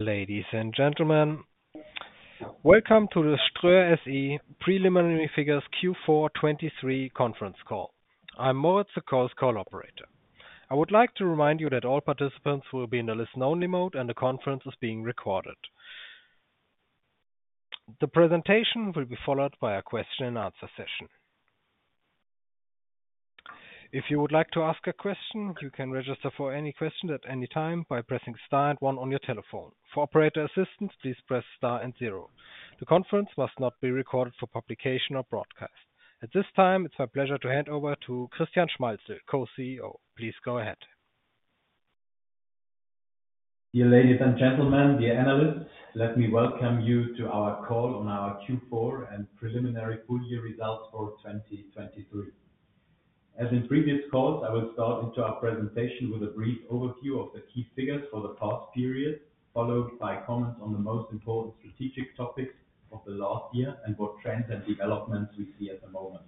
Ladies and gentlemen, welcome to the Ströer SE Preliminary Figures Q4 2023 conference call. I'm Moritz Sokoll, call operator. I would like to remind you that all participants will be in a listen-only mode and the conference is being recorded. The presentation will be followed by a question-and-answer session. If you would like to ask a question, you can register for any question at any time by pressing star and one on your telephone. For operator assistance, please press star and zero. The conference must not be recorded for publication or broadcast. At this time, it's my pleasure to hand over to Christian Schmalzl, Co-CEO. Please go ahead. Dear ladies and gentlemen, Dear Analysts, let me welcome you to our call on our Q4 and preliminary full-year results for 2023. As in previous calls, I will start into our presentation with a brief overview of the key figures for the past period, followed by comments on the most important strategic topics of the last year and what trends and developments we see at the moment.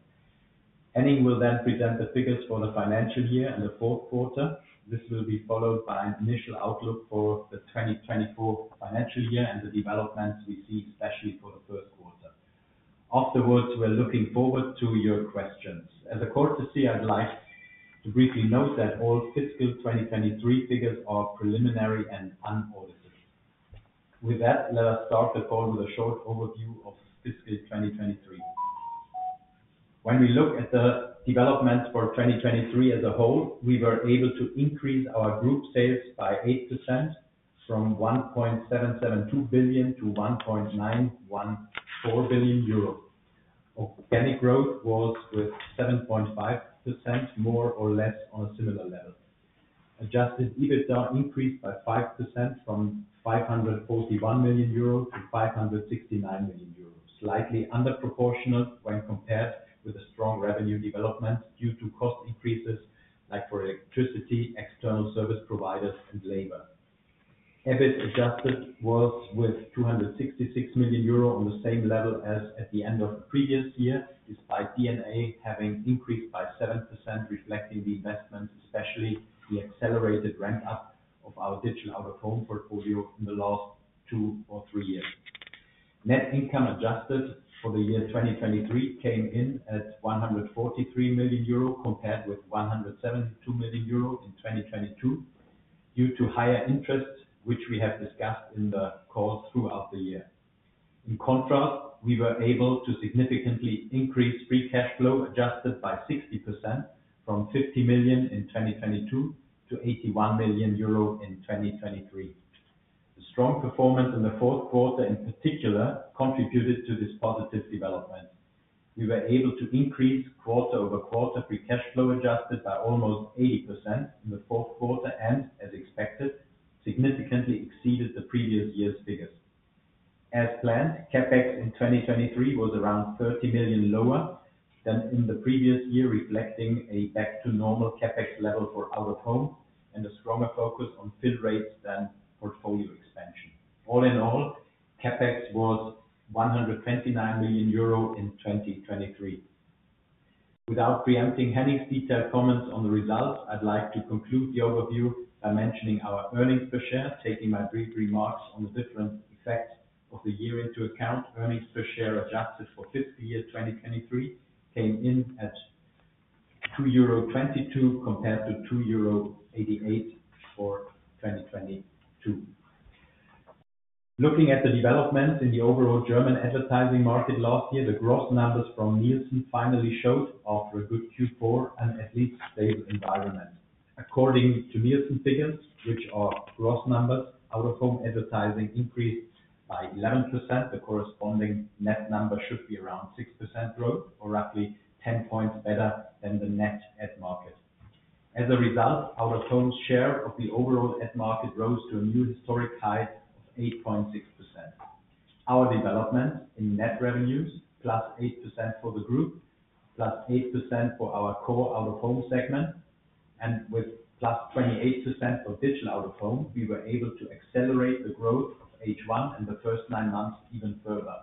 Henning will then present the figures for the financial year and the fourth quarter. This will be followed by an initial outlook for the 2024 financial year and the developments we see, especially for the first quarter. Afterwards, we're looking forward to your questions. As a courtesy, I'd like to briefly note that all fiscal 2023 figures are preliminary and unaudited. With that, let us start the call with a short overview of fiscal 2023. When we look at the developments for 2023 as a whole, we were able to increase our group sales by 8% from 1.772 billion-1.914 billion euro. Organic growth was with 7.5%, more or less on a similar level. Adjusted EBITDA increased by 5% from 541 million-569 million euros, slightly underproportional when compared with the strong revenue developments due to cost increases like for electricity, external service providers, and labor. EBIT Adjusted was with 266 million euro on the same level as at the end of the previous year, despite D&A having increased by 7%, reflecting the investments, especially the accelerated ramp-up of our digital out-of-home portfolio in the last two or three years. Net Income Adjusted for the year 2023 came in at 143 million euro compared with 172 million euro in 2022 due to higher interests, which we have discussed in the call throughout the year. In contrast, we were able to significantly increase free cash flow adjusted by 60% from 50 million in 2022 to 81 million euro in 2023. The strong performance in the fourth quarter, in particular, contributed to this positive development. We were able to increase quarter-over-quarter free cash flow adjusted by almost 80% in the fourth quarter and, as expected, significantly exceeded the previous year's figures. As planned, CapEx in 2023 was around 30 million lower than in the previous year, reflecting a back-to-normal CapEx level for out-of-home and a stronger focus on fill rates than portfolio expansion. All in all, CapEx was 129 million euro in 2023. Without preempting Henning's detailed comments on the results, I'd like to conclude the overview by mentioning our earnings per share, taking my brief remarks on the different effects of the year into account. Earnings per share adjusted for fiscal year 2023 came in at 2.22 euro compared to 2.88 euro for 2022. Looking at the developments in the overall German advertising market last year, the gross numbers from Nielsen finally showed a good Q4 and at least stable environment. According to Nielsen figures, which are gross numbers, out-of-home advertising increased by 11%. The corresponding net number should be around 6% growth, or roughly 10 points better than the net ad market. As a result, out-of-home share of the overall ad market rose to a new historic high of 8.6%. Our developments in net revenues, plus 8% for the group, plus 8% for our core out-of-home segment, and with plus 28% for digital out-of-home, we were able to accelerate the growth of H1 and the first nine months even further.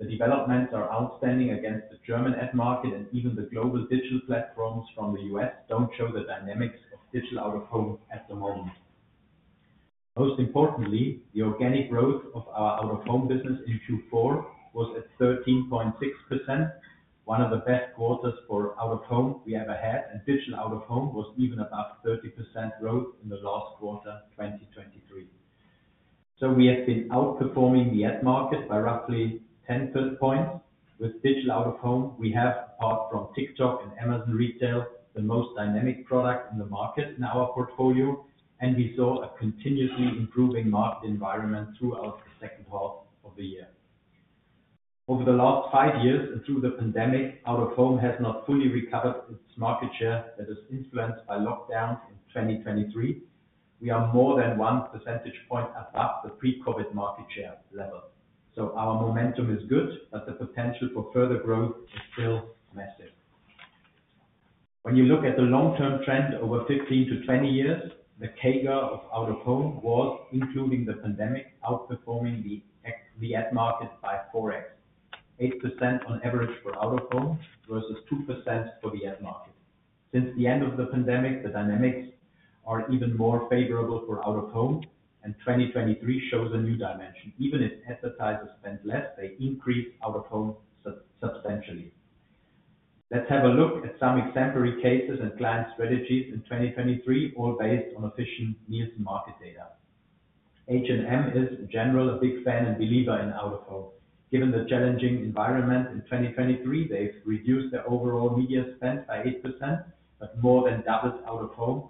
The developments are outstanding against the German ad market, and even the global digital platforms from the US don't show the dynamics of digital out-of-home at the moment. Most importantly, the organic growth of our out-of-home business in Q4 was at 13.6%, one of the best quarters for out-of-home we ever had, and digital out-of-home was even above 30% growth in the last quarter, 2023. So we have been outperforming the ad market by roughly 10 points. With digital out-of-home, we have, apart from TikTok and Amazon Retail, the most dynamic product in the market in our portfolio, and we saw a continuously improving market environment throughout the second half of the year. Over the last five years and through the pandemic, out-of-home has not fully recovered its market share that is influenced by lockdowns in 2023. We are more than one percentage point above the pre-COVID market share level. So our momentum is good, but the potential for further growth is still massive. When you look at the long-term trend over 15-20 years, the CAGR of out-of-home was, including the pandemic, outperforming the ad market by 4x, 8% on average for out-of-home versus 2% for the ad market. Since the end of the pandemic, the dynamics are even more favorable for out-of-home, and 2023 shows a new dimension. Even if advertisers spend less, they increase out-of-home substantially. Let's have a look at some exemplary cases and client strategies in 2023, all based on efficient Nielsen market data. H&M is, in general, a big fan and believer in out-of-home. Given the challenging environment in 2023, they've reduced their overall media spend by 8%, but more than doubled out-of-home,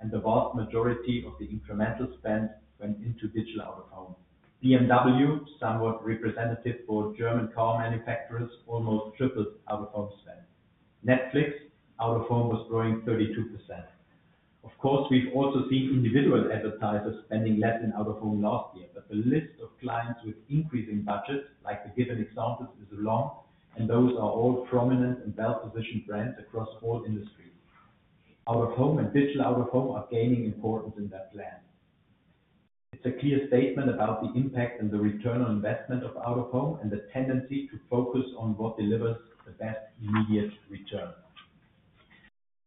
and the vast majority of the incremental spend went into digital out-of-home. BMW, somewhat representative for German car manufacturers, almost tripled out-of-home spend. Netflix, out-of-home was growing 32%. Of course, we've also seen individual advertisers spending less in out-of-home last year, but the list of clients with increasing budgets, like the given examples, is long, and those are all prominent and well-positioned brands across all industries. Out-of-home and digital out-of-home are gaining importance in that plan. It's a clear statement about the impact and the return on investment of out-of-home and the tendency to focus on what delivers the best immediate return.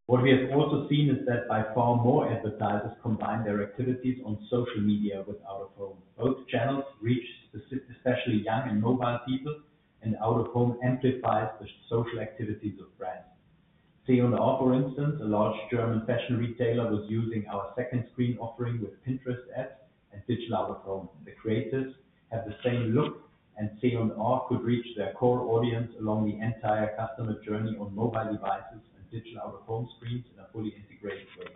What we have also seen is that by far more advertisers combine their activities on social media with out-of-home. Both channels reach especially young and mobile people, and out-of-home amplifies the social activities of brands. C&A, for instance, a large German fashion retailer, was using our second-screen offering with Pinterest ads and digital out-of-home. The creatives have the same look, and C&A could reach their core audience along the entire customer journey on mobile devices and digital out-of-home screens in a fully integrated way.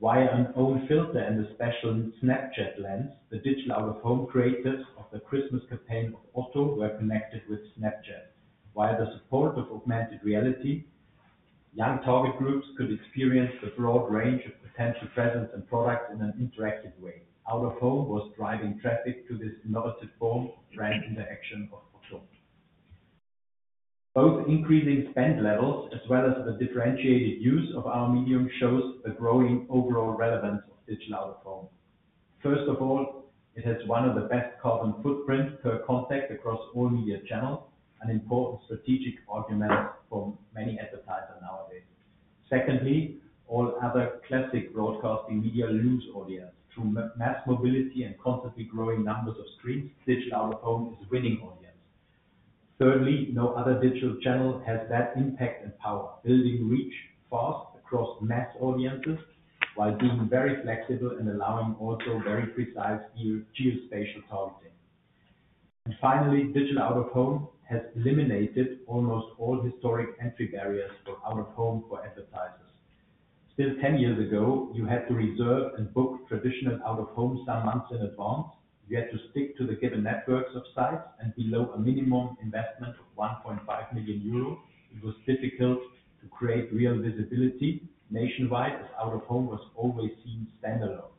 Via an own filter and a special Snapchat lens, the digital out-of-home creatives of the Christmas campaign of Otto were connected with Snapchat. Via the support of augmented reality, young target groups could experience the broad range of potential presents and products in an interactive way. Out-of-home was driving traffic to this innovative form, brand interaction of Otto. Both increasing spend levels as well as the differentiated use of our medium shows the growing overall relevance of digital out-of-home. First of all, it has one of the best carbon footprints per contact across all media channels, an important strategic argument for many advertisers nowadays. Secondly, all other classic broadcasting media lose audience. Through mass mobility and constantly growing numbers of screens, digital out-of-home is winning audience. Thirdly, no other digital channel has that impact and power, building reach fast across mass audiences while being very flexible and allowing also very precise geospatial targeting. And finally, digital out-of-home has eliminated almost all historic entry barriers for out-of-home for advertisers. Still 10 years ago, you had to reserve and book traditional out-of-home some months in advance. You had to stick to the given networks of sites, and below a minimum investment of 1.5 million euro, it was difficult to create real visibility nationwide as out-of-home was always seen standalone.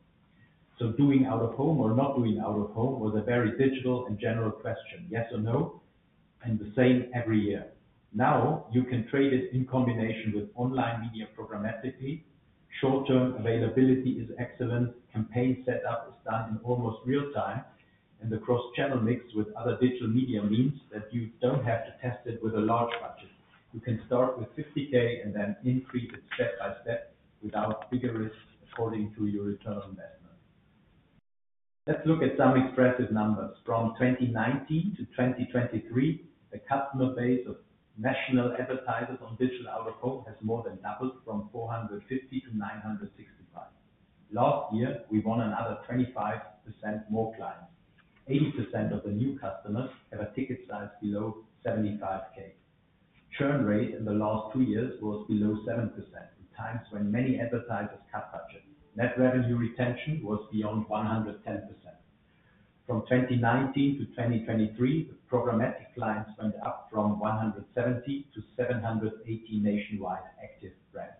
So doing out-of-home or not doing out-of-home was a very digital and general question, yes or no, and the same every year. Now you can trade it in combination with online media programmatically. Short-term availability is excellent. Campaign setup is done in almost real time, and the cross-channel mix with other digital media means that you don't have to test it with a large budget. You can start with 50,000 and then increase it step by step without bigger risks according to your return on investment. Let's look at some expressive numbers. From 2019-2023, the customer base of national advertisers on digital out-of-home has more than doubled from 450-965. Last year, we won another 25% more clients. 80% of the new customers have a ticket size below 75,000. Churn rate in the last two years was below 7% at times when many advertisers cut budget. Net revenue retention was beyond 110%. From 2019-2023, programmatic clients went up from 170-780 nationwide active brands.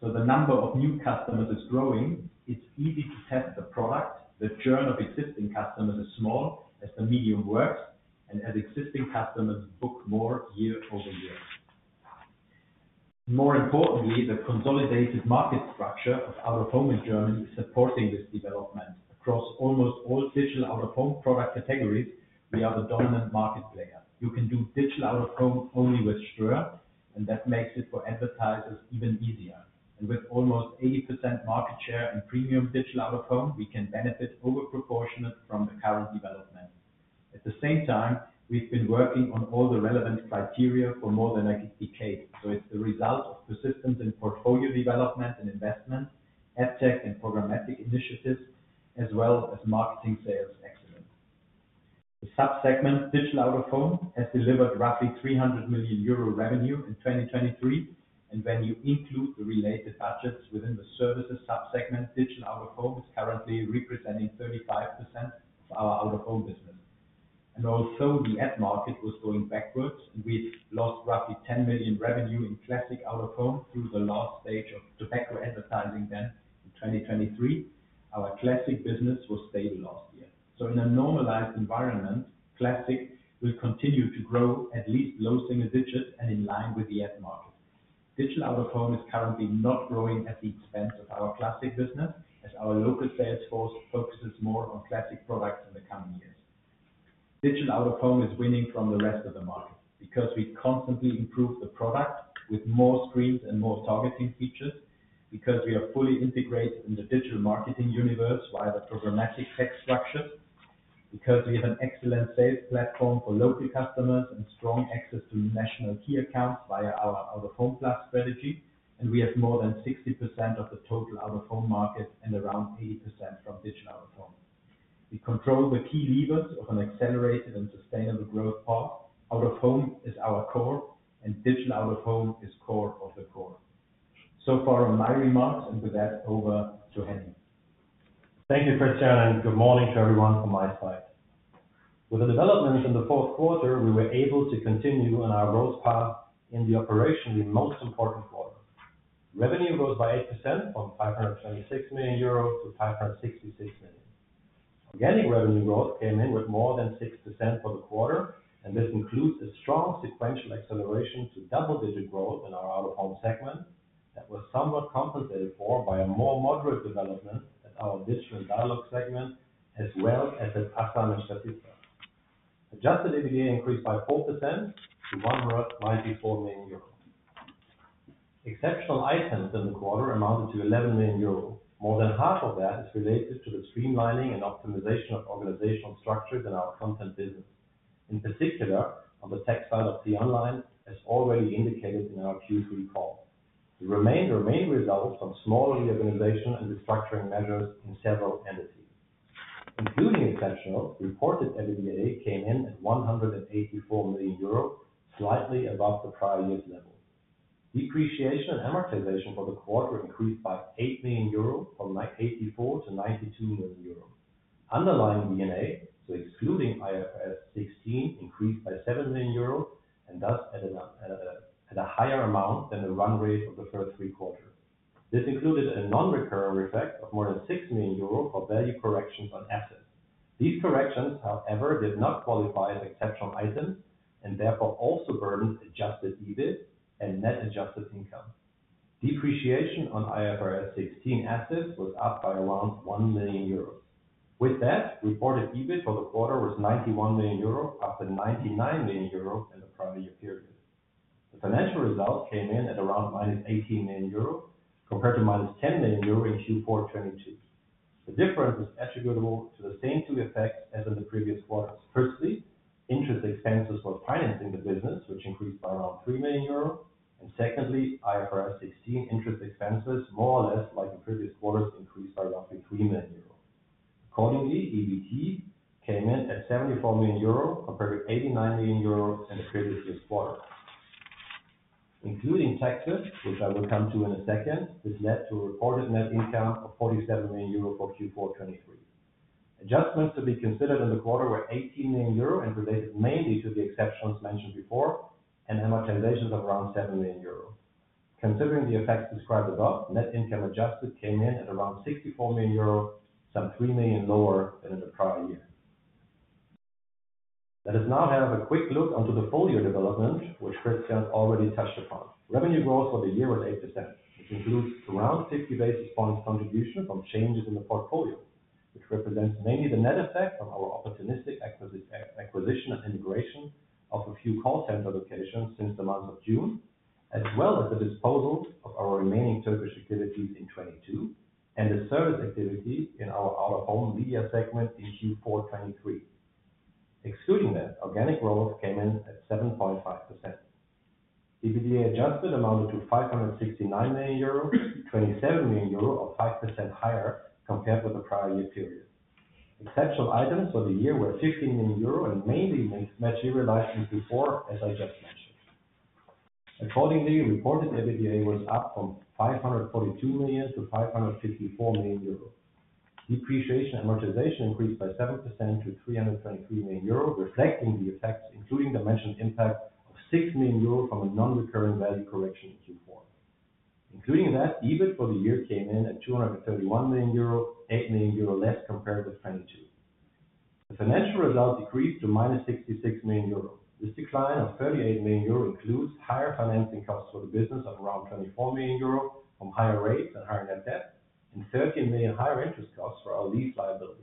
So the number of new customers is growing. It's easy to test the product. The churn of existing customers is small as the medium works and as existing customers book more year-over-year. More importantly, the consolidated market structure of out-of-home in Germany is supporting this development. Across almost all digital out-of-home product categories, we are the dominant market player. You can do digital out-of-home only with Ströer, and that makes it for advertisers even easier. And with almost 80% market share in premium digital out-of-home, we can benefit overproportionate from the current development. At the same time, we've been working on all the relevant criteria for more than a decade. So it's the result of persistence in portfolio development and investment, ad tech and programmatic initiatives, as well as marketing sales excellence. The subsegment digital out-of-home has delivered roughly 300 million euro revenue in 2023, and when you include the related budgets within the services subsegment, digital out-of-home is currently representing 35% of our out-of-home business. Although the ad market was going backwards and we've lost roughly 10 million revenue in classic out-of-home through the last stage of tobacco advertising then in 2023, our classic business was stable last year. In a normalized environment, classic will continue to grow at least low single digits and in line with the ad market. Digital out-of-home is currently not growing at the expense of our classic business as our local sales force focuses more on classic products in the coming years. Digital out-of-home is winning from the rest of the market because we constantly improve the product with more screens and more targeting features, because we are fully integrated in the digital marketing universe via the programmatic tech structures, because we have an excellent sales platform for local customers and strong access to national key accounts via our Out-of-Home plus strategy, and we have more than 60% of the total out-of-home market and around 80% from digital out-of-home. We control the key levers of an accelerated and sustainable growth path. Out-of-home is our core, and digital out-of-home is core of the core. So far on my remarks, and with that, over to Henning. Thank you, Christian, and good morning to everyone from my side. With the developments in the fourth quarter, we were able to continue on our growth path in the operationally most important quarter. Revenue rose by 8% from 526 million-566 million euros. Organic revenue growth came in with more than 6% for the quarter, and this includes a strong sequential acceleration to double-digit growth in our out-of-home segment that was somewhat compensated for by a more moderate development at our digital dialog segment as well as at AsamBeauty and Statista. Adjusted EBITDA increased by 4% to 194 million euros. Exceptional items in the quarter amounted to 11 million euros. More than half of that is related to the streamlining and optimization of organizational structures in our content business, in particular on the tech side of t-online, as already indicated in our Q3 call. The remainder results from smaller reorganization and restructuring measures in several entities. Including exceptionals, reported EBITDA came in at 184 million euros, slightly above the prior year's level. Depreciation and amortization for the quarter increased by 8 million euro from 84 million-92 million euro. Underlying D&A, so excluding IFRS 16, increased by 7 million euro and thus at a higher amount than the run rate of the first three quarters. This included a non-recurring effect of more than 6 million euro for value corrections on assets. These corrections, however, did not qualify as exceptional items and therefore also burdened Adjusted EBIT and Net Adjusted Income. Depreciation on IFRS 16 assets was up by around 1 million euros. With that, reported EBIT for the quarter was 91 million euros after 99 million euros in the prior year period. The financial results came in at around -18 million euros compared to -10 million euros in Q4 2022. The difference is attributable to the same two effects as in the previous quarters. Firstly, interest expenses for financing the business, which increased by around 3 million euros, and secondly, IFRS 16 interest expenses, more or less like the previous quarters, increased by roughly 3 million euros. Accordingly, EBT came in at 74 million euros compared to 89 million euros in the previous year's quarter. Including taxes, which I will come to in a second, this led to a reported net income of 47 million euro for Q4 2023. Adjustments to be considered in the quarter were 18 million euro and related mainly to the exceptions mentioned before and amortizations of around 7 million euro. Considering the effects described above, net income adjusted came in at around 64 million euro, some 3 million lower than in the prior year. Let us now have a quick look onto the full year development, which Christian already touched upon. Revenue growth for the year was 8%. This includes around 50 basis points contribution from changes in the portfolio, which represents mainly the net effect of our opportunistic acquisition and integration of a few call center locations since the month of June, as well as the disposal of our remaining Turkish activities in 2022 and the service activity in our out-of-home media segment in Q4 2023. Excluding that, organic growth came in at 7.5%. EBITDA Adjusted amounted to 569 million euros, 27 million euros of 5% higher compared with the prior year period. Exceptional items for the year were 15 million euro and mainly materialized in Q4, as I just mentioned. Accordingly, reported EBITDA was up from 542 million to 554 million euros. Depreciation and amortization increased by 7% to 323 million euros, reflecting the effects, including the mentioned impact of 6 million euros from a non-recurring value correction in Q4. Including that, EBIT for the year came in at 231 million euros, 8 million euros less compared with 2022. The financial result decreased to minus 66 million euros. This decline of 38 million euros includes higher financing costs for the business of around 24 million euros from higher rates and higher net debt and 13 million higher interest costs for our lease liabilities.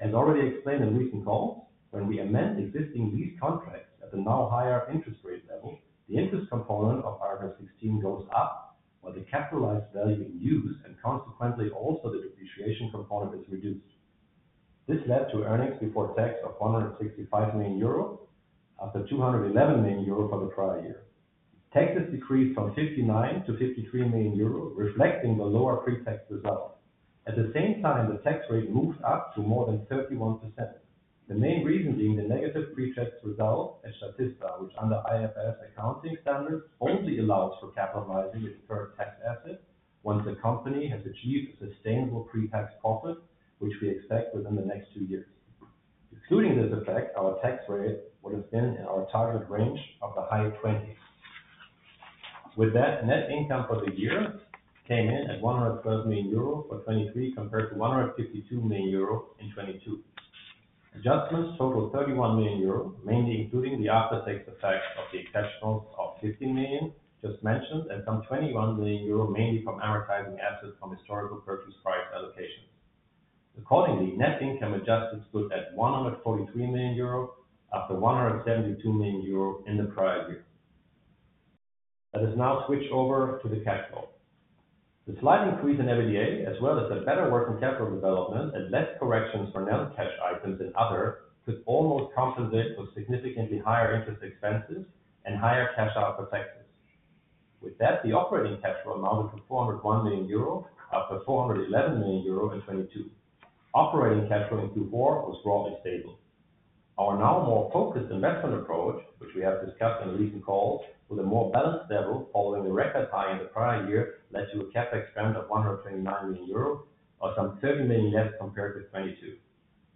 As already explained in recent calls, when we amend existing lease contracts at the now higher interest rate level, the interest component of IFRS 16 goes up while the capitalized value in use and consequently also the depreciation component is reduced. This led to earnings before tax of 165 million euro after 211 million euro for the prior year. Taxes decreased from 59 million-53 million euro, reflecting the lower pre-tax result. At the same time, the tax rate moved up to more than 31%, the main reason being the negative pre-tax result at Statista, which under IFRS accounting standards only allows for capitalizing its current tax assets once the company has achieved a sustainable pre-tax profit, which we expect within the next two years. Excluding this effect, our tax rate would have been in our target range of the high 20s. With that, net income for the year came in at 112 million euro for 2023 compared to 152 million euro in 2022. Adjustments totaled 31 million euro, mainly including the after-tax effect of the exceptionals of 15 million just mentioned and some 21 million euro mainly from amortizing assets from historical purchase price allocations. Accordingly, net income adjusted stood at 143 million euro after 172 million euro in the prior year. Let us now switch over to the cash flow. The slight increase in EBITDA, as well as the better working capital development and less corrections for non-cash items in other, could almost compensate for significantly higher interest expenses and higher cash out for taxes. With that, the operating cash flow amounted to 401 million euro after 411 million euro in 2022. Operating cash flow in Q4 was broadly stable. Our now more focused investment approach, which we have discussed in recent calls with a more balanced level following the record high in the prior year, led to a CapEx spend of 129 million euros or some 30 million less compared with 2022.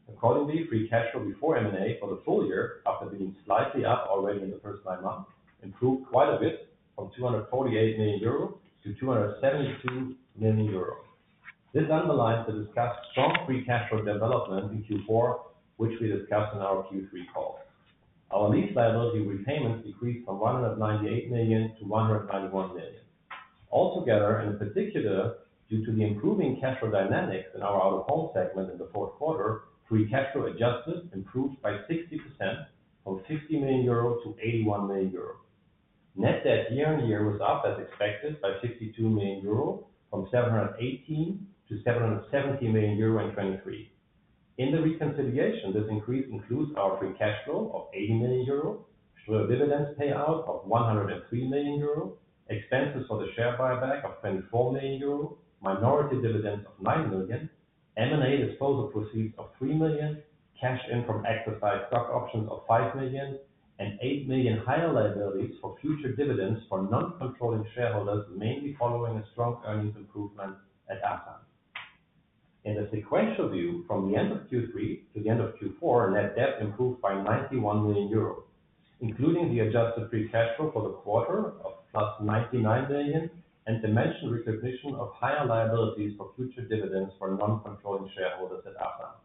Accordingly, free cash flow before M&A for the full year after being slightly up already in the first nine months improved quite a bit from 248 million-272 million euro. This underlines the discussed strong free cash flow development in Q4, which we discussed in our Q3 calls. Our lease liability repayments decreased from 198 million-191 million. Altogether, in particular due to the improving cash flow dynamics in our out-of-home segment in the fourth quarter, free cash flow adjusted improved by 60% from 50 million-81 million euro. Net debt year-on-year was up as expected by 52 million euro from 718 million-770 million euro in 2023. In the reconciliation, this increase includes our free cash flow of 80 million euro, Ströer dividends payout of 103 million euro, expenses for the share buyback of 24 million euro, minority dividends of 9 million, M&A disposal proceeds of 3 million, cash in from exercised stock options of 5 million, and 8 million higher liabilities for future dividends for non-controlling shareholders, mainly following a strong earnings improvement at Asam. In the sequential view from the end of Q3 to the end of Q4, net debt improved by 91 million euros, including the adjusted free cash flow for the quarter of plus 99 million and the mentioned recognition of higher liabilities for future dividends for non-controlling shareholders at AsamBeauty.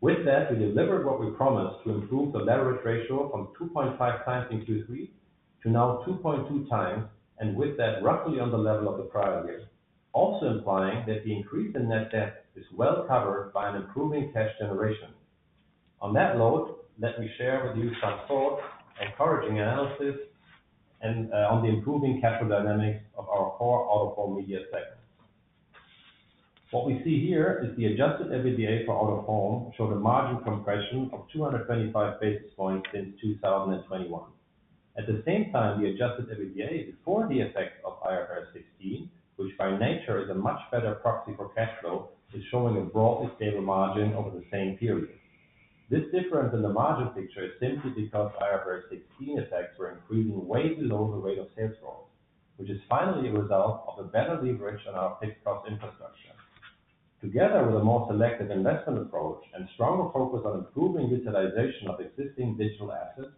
With that, we delivered what we promised to improve the leverage ratio from 2.5x in Q3 to now 2.2x and with that roughly on the level of the prior year, also implying that the increase in net debt is well covered by an improving cash generation. On that note, let me share with you some thoughts, encouraging analysis, and on the improving capital dynamics of our core out-of-home media segment. What we see here is the Adjusted EBITDA for out-of-home showed a margin compression of 225 basis points since 2021. At the same time, the Adjusted EBITDA before the effects of IFRS 16, which by nature is a much better proxy for cash flow, is showing a broadly stable margin over the same period. This difference in the margin picture is simply because IFRS 16 effects were increasing way below the rate of sales growth, which is finally a result of a better leverage on our fixed cost infrastructure. Together with a more selective investment approach and stronger focus on improving utilization of existing digital assets,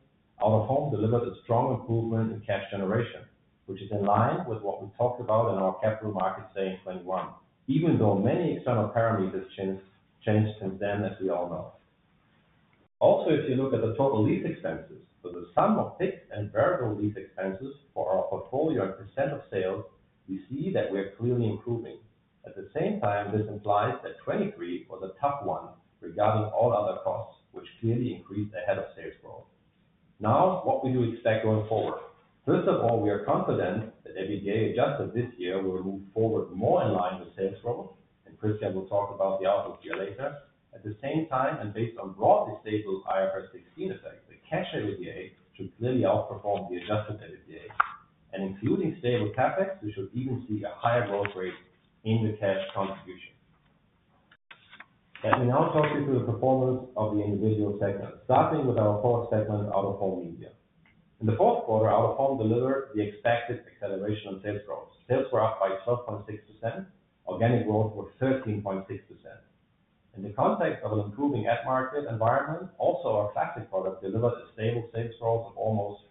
out-of-home delivered a strong improvement in cash generation, which is in line with what we talked about in our Capital Markets Day in 2021, even though many external parameters changed since then, as we all know. Also, if you look at the total lease expenses, so the sum of fixed and variable lease expenses for our portfolio as a percent of sales, we see that we are clearly improving. At the same time, this implies that 2023 was a tough one regarding all other costs, which clearly increased ahead of sales growth. Now, what we do expect going forward. First of all, we are confident that Adjusted EBITDA this year will move forward more in line with sales growth, and Christian will talk about the outlook here later. At the same time, and based on broadly stable IFRS 16 effects, the cash EBITDA should clearly outperform the Adjusted EBITDA. And including stable CapEx, we should even see a higher growth rate in the cash contribution. Let me now talk you through the performance of the individual segments, starting with our fourth segment, out-of-home media. In the fourth quarter, out-of-home delivered the expected acceleration on sales growth. Sales were up by 12.6%, organic growth was 13.6%. In the context of an improving ad-market environment, also our classic product delivered a stable sales growth of almost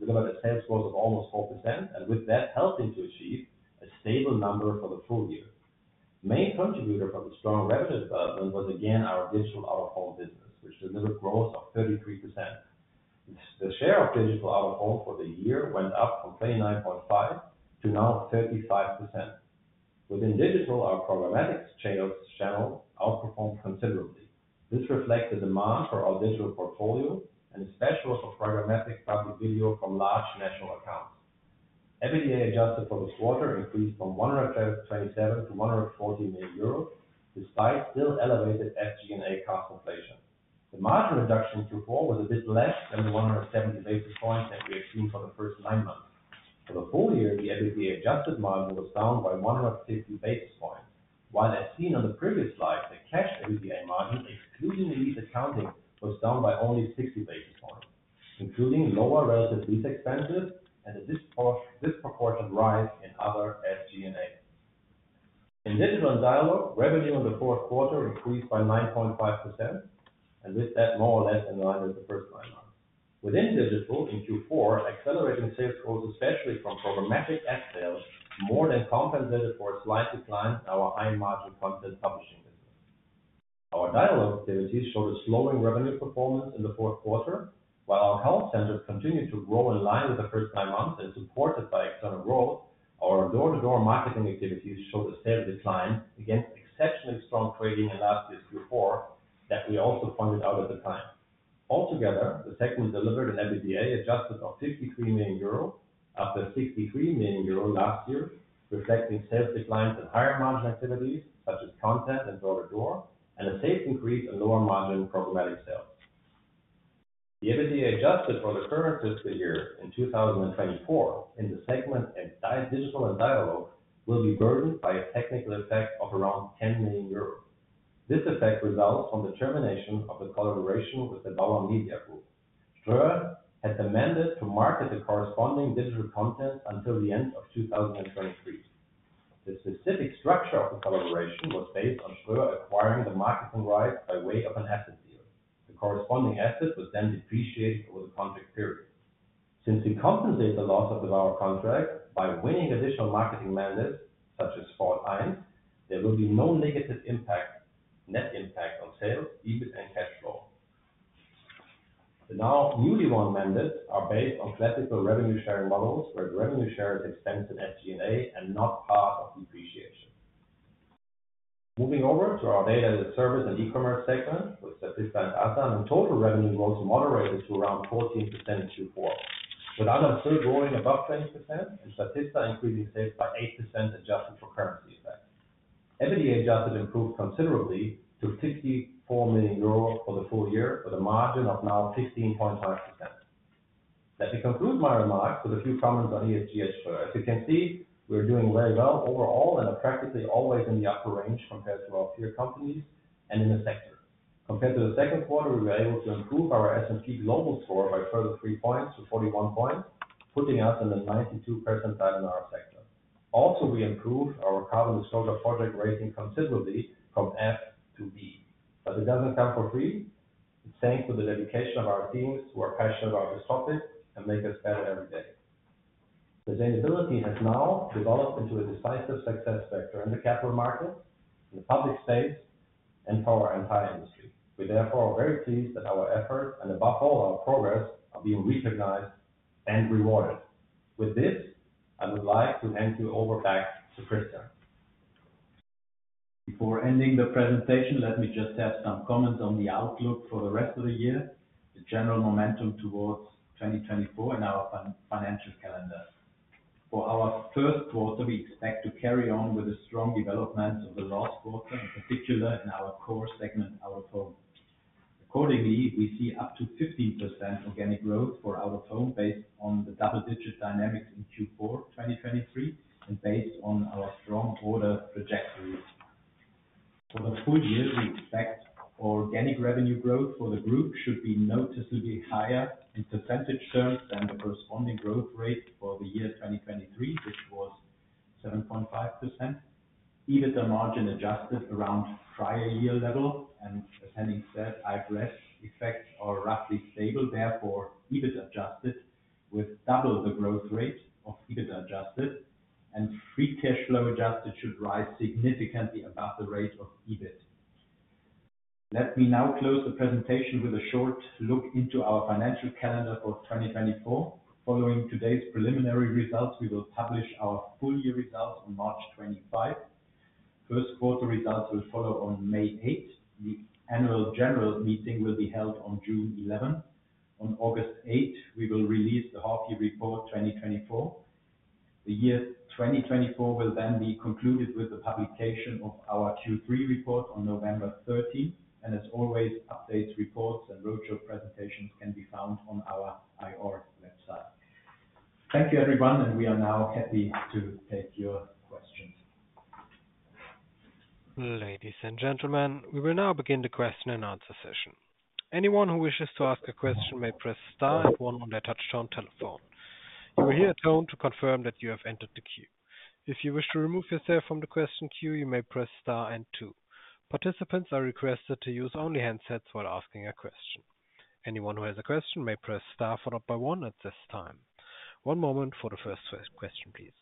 4% and with that helping to achieve a stable number for the full year. The main contributor for the strong revenue development was again our digital out-of-home business, which delivered growth of 33%. The share of digital out-of-home for the year went up from 29.5% to now 35%. Within digital, our programmatic channel outperformed considerably. This reflected the demand for our digital portfolio and especially for programmatic Public Video from large national accounts. EBITDA adjusted for this quarter increased from 127 million-140 million euros despite still elevated SG&A cost inflation. The margin reduction in Q4 was a bit less than the 170 basis points that we had seen for the first nine months. For the full year, the EBITDA Adjusted margin was down by 150 basis points, while as seen on the previous slide, the cash EBITDA margin, excluding the lease accounting, was down by only 60 basis points, including lower relative lease expenses and a disproportionate rise in other SG&As. In digital and dialog, revenue in the fourth quarter increased by 9.5% and with that more or less in line with the first nine months. Within digital, in Q4, accelerating sales growth, especially from programmatic ad sales, more than compensated for a slight decline in our high margin content publishing business. Our dialog activities showed a slowing revenue performance in the fourth quarter. While our call centers continued to grow in line with the first nine months and supported by external growth, our door-to-door marketing activities showed a steady decline against exceptionally strong trading in last year's Q4 that we also pointed out at the time. Altogether, the segment delivered an EBITDA Adjusted of 53 million euro after 63 million euro last year, reflecting sales declines in higher margin activities such as content and door-to-door and a safe increase in lower margin programmatic sales. The EBITDA Adjusted for the current fiscal year in 2024 in the segment digital and dialog will be burdened by a technical effect of around 10 million euros. This effect results from the termination of the collaboration with the Bauer Media Group. Ströer had the mandate to market the corresponding digital contents until the end of 2023. The specific structure of the collaboration was based on Ströer acquiring the marketing rights by way of an asset deal. The corresponding asset was then depreciated over the contract period. Since we compensate the loss of the Bauer contract by winning additional marketing mandates such as Joyn, there will be no negative net impact on sales, EBIT, and cash flow. The now newly won mandates are based on classical revenue sharing models where the revenue share is extended in SG&A and not part of depreciation. Moving over to our data service and e-commerce segment with Statista and AsamBeauty, the total revenue growth moderated to around 14% in Q4, with AsamBeauty still growing above 20% and Statista increasing sales by 8% adjusted for currency effects. EBITDA Adjusted improved considerably to 54 million euros for the full year with a margin of now 15.5%. Let me conclude my remarks with a few comments on ESG at Ströer. As you can see, we are doing very well overall and are practically always in the upper range compared to our peer companies and in the sector. Compared to the second quarter, we were able to improve our S&P Global Score by a further three points to 41 points, putting us in the 92nd percentile in our sector. Also, we improved our Carbon Disclosure Project rating considerably from F to B. But it doesn't come for free. It's thanks to the dedication of our teams who are passionate about this topic and make us better every day. Sustainability has now developed into a decisive success factor in the capital markets, in the public space, and for our entire industry. We therefore are very pleased that our efforts and above all our progress are being recognized and rewarded. With this, I would like to hand you over back to Christian. Before ending the presentation, let me just have some comments on the outlook for the rest of the year, the general momentum towards 2024 in our financial calendar. For our first quarter, we expect to carry on with a strong development of the last quarter, in particular in our core segment out-of-home. Accordingly, we see up to 15% organic growth for out-of-home based on the double-digit dynamics in Q4 2023 and based on our strong order trajectories. For the full year, we expect organic revenue growth for the group should be noticeably higher in percentage terms than the corresponding growth rate for the year 2023, which was 7.5%. EBITDA margin adjusted around prior year level. And as Henning said, IFRS effects are roughly stable. Therefore, EBITDA Adjusted with double the growth rate of EBITDA Adjusted. Free cash flow adjusted should rise significantly above the rate of EBIT. Let me now close the presentation with a short look into our financial calendar for 2024. Following today's preliminary results, we will publish our full year results on March 25. First quarter results will follow on May 8. The annual general meeting will be held on June 11. On August 8, we will release the half-year report 2024. The year 2024 will then be concluded with the publication of our Q3 report on November 13. As always, updates, reports, and roadshow presentations can be found on our IR website. Thank you, everyone. We are now happy to take your questions. Ladies and gentlemen, we will now begin the question and answer session. Anyone who wishes to ask a question may press star and one on their touch-tone telephone. You will hear a tone to confirm that you have entered the queue. If you wish to remove yourself from the question queue, you may press star and two. Participants are requested to use only handsets while asking a question. Anyone who has a question may press star followed by one at this time. One moment for the first question, please.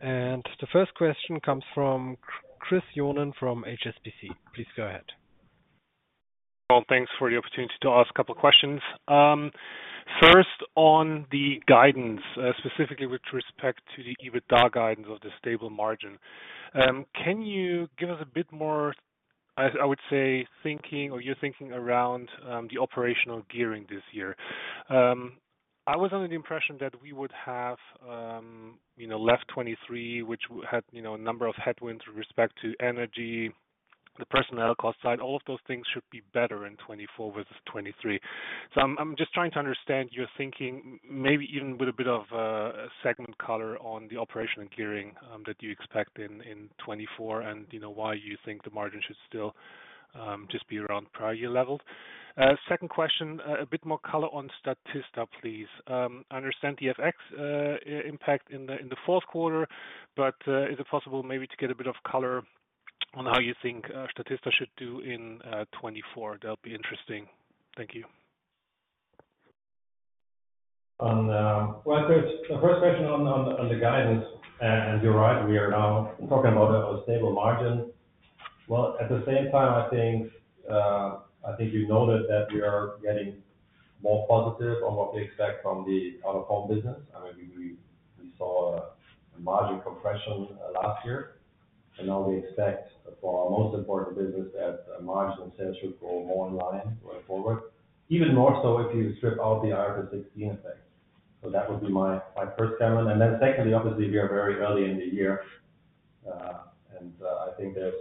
The first question comes from Chris Johnen from HSBC. Please go ahead. Well, thanks for the opportunity to ask a couple of questions. First, on the guidance, specifically with respect to the EBITDA guidance of the stable margin, can you give us a bit more, I would say, thinking or your thinking around the operational gearing this year? I was under the impression that we would have left 2023, which had a number of headwinds with respect to energy, the personnel cost side. All of those things should be better in 2024 versus 2023. So I'm just trying to understand your thinking, maybe even with a bit of segment color on the operational gearing that you expect in 2024 and why you think the margin should still just be around prior year levels. Second question, a bit more color on Statista, please. I understand the FX impact in the fourth quarter, but is it possible maybe to get a bit of color on how you think Statista should do in 2024? That'll be interesting. Thank you. Well, Chris, the first question on the guidance. You're right. We are now talking about our stable margin. Well, at the same time, I think you noted that we are getting more positive on what we expect from the out-of-home business. I mean, we saw a margin compression last year. Now we expect for our most important business that margin and sales should go more in line going forward, even more so if you strip out the IFRS 16 effect. So that would be my first comment. Then secondly, obviously, we are very early in the year. And I think there's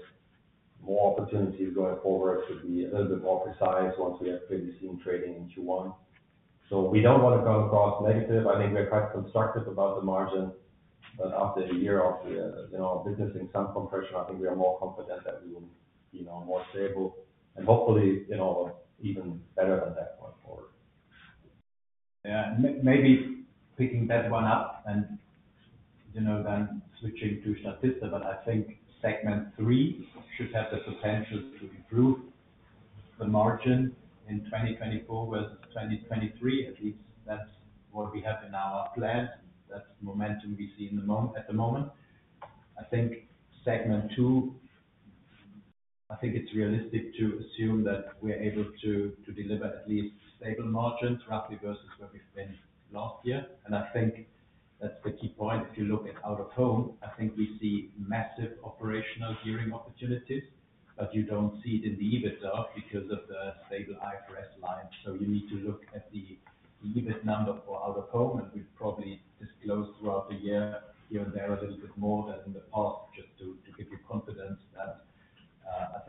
more opportunities going forward to be a little bit more precise once we have clearly seen trading in Q1. So we don't want to come across negative. I think we are quite constructive about the margin. But after a year of witnessing some compression, I think we are more confident that we will be more stable and hopefully even better than that going forward. Yeah. And maybe picking that one up and then switching to Statista. But I think segment three should have the potential to improve the margin in 2024 versus 2023. At least that's what we have in our plans. That's the momentum we see at the moment. I think segment two, I think it's realistic to assume that we are able to deliver at least stable margins roughly versus where we've been last year. I think that's the key point. If you look at out-of-home, I think we see massive operational gearing opportunities. But you don't see it in the EBITDA because of the stable IFRS line. So you need to look at the EBIT number for out-of-home. We'll probably disclose throughout the year here and there a little bit more than in the past just to give you confidence that I